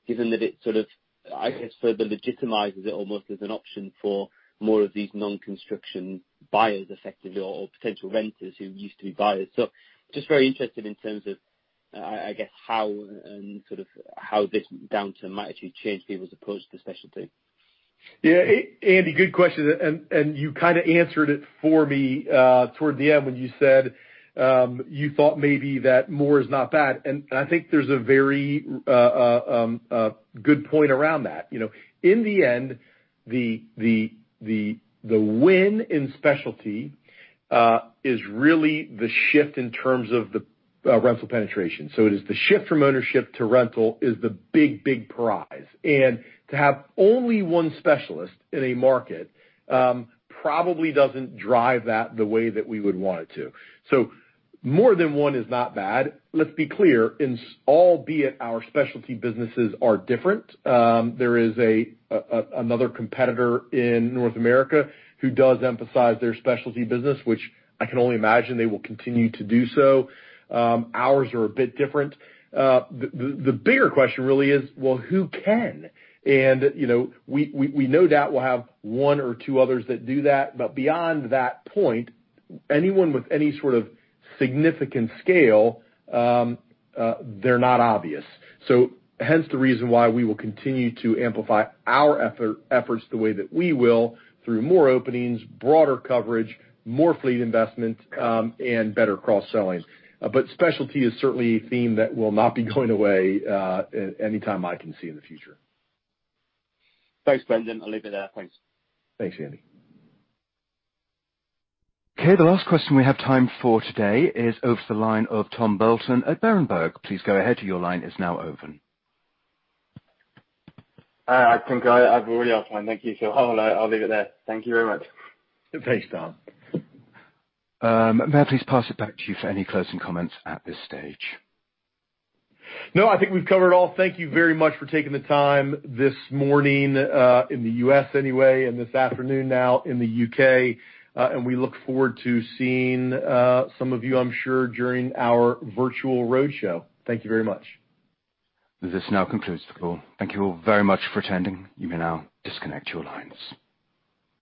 given that it sort of, I guess, further legitimizes it almost as an option for more of these non-construction buyers, effectively, or potential renters who used to be buyers. Just very interested in terms of, I guess, how this downturn might actually change people's approach to specialty?
Andy, good question, and you kind of answered it for me toward the end when you said you thought maybe that more is not bad. I think there's a very good point around that. In the end, the win in specialty is really the shift in terms of the rental penetration. It is the shift from ownership to rental is the big, big prize. To have only one specialist in a market probably doesn't drive that the way that we would want it to. More than one is not bad. Let's be clear, albeit our specialty businesses are different. There is another competitor in North America who does emphasize their specialty business, which I can only imagine they will continue to do so. Ours are a bit different. The bigger question really is, well, who can? We no doubt will have one or two others that do that. Beyond that point, anyone with any sort of significant scale, they're not obvious. Hence the reason why we will continue to amplify our efforts the way that we will through more openings, broader coverage, more fleet investment, and better cross-selling. Specialty is certainly a theme that will not be going away anytime I can see in the future.
Thanks, Brendan. I'll leave it there. Thanks.
Thanks, Andy.
Okay. The last question we have time for today is over the line of Tom Burlton at Berenberg. Please go ahead. Your line is now open.
I think I've already asked mine. Thank you. Hold on, I'll leave it there. Thank you very much.
Thanks, Tom.
Matt, please pass it back to you for any closing comments at this stage.
No, I think we've covered all. Thank you very much for taking the time this morning, in the U.S. anyway, and this afternoon now in the U.K. We look forward to seeing some of you, I'm sure, during our virtual roadshow. Thank you very much.
This now concludes the call. Thank you all very much for attending. You may now disconnect your lines.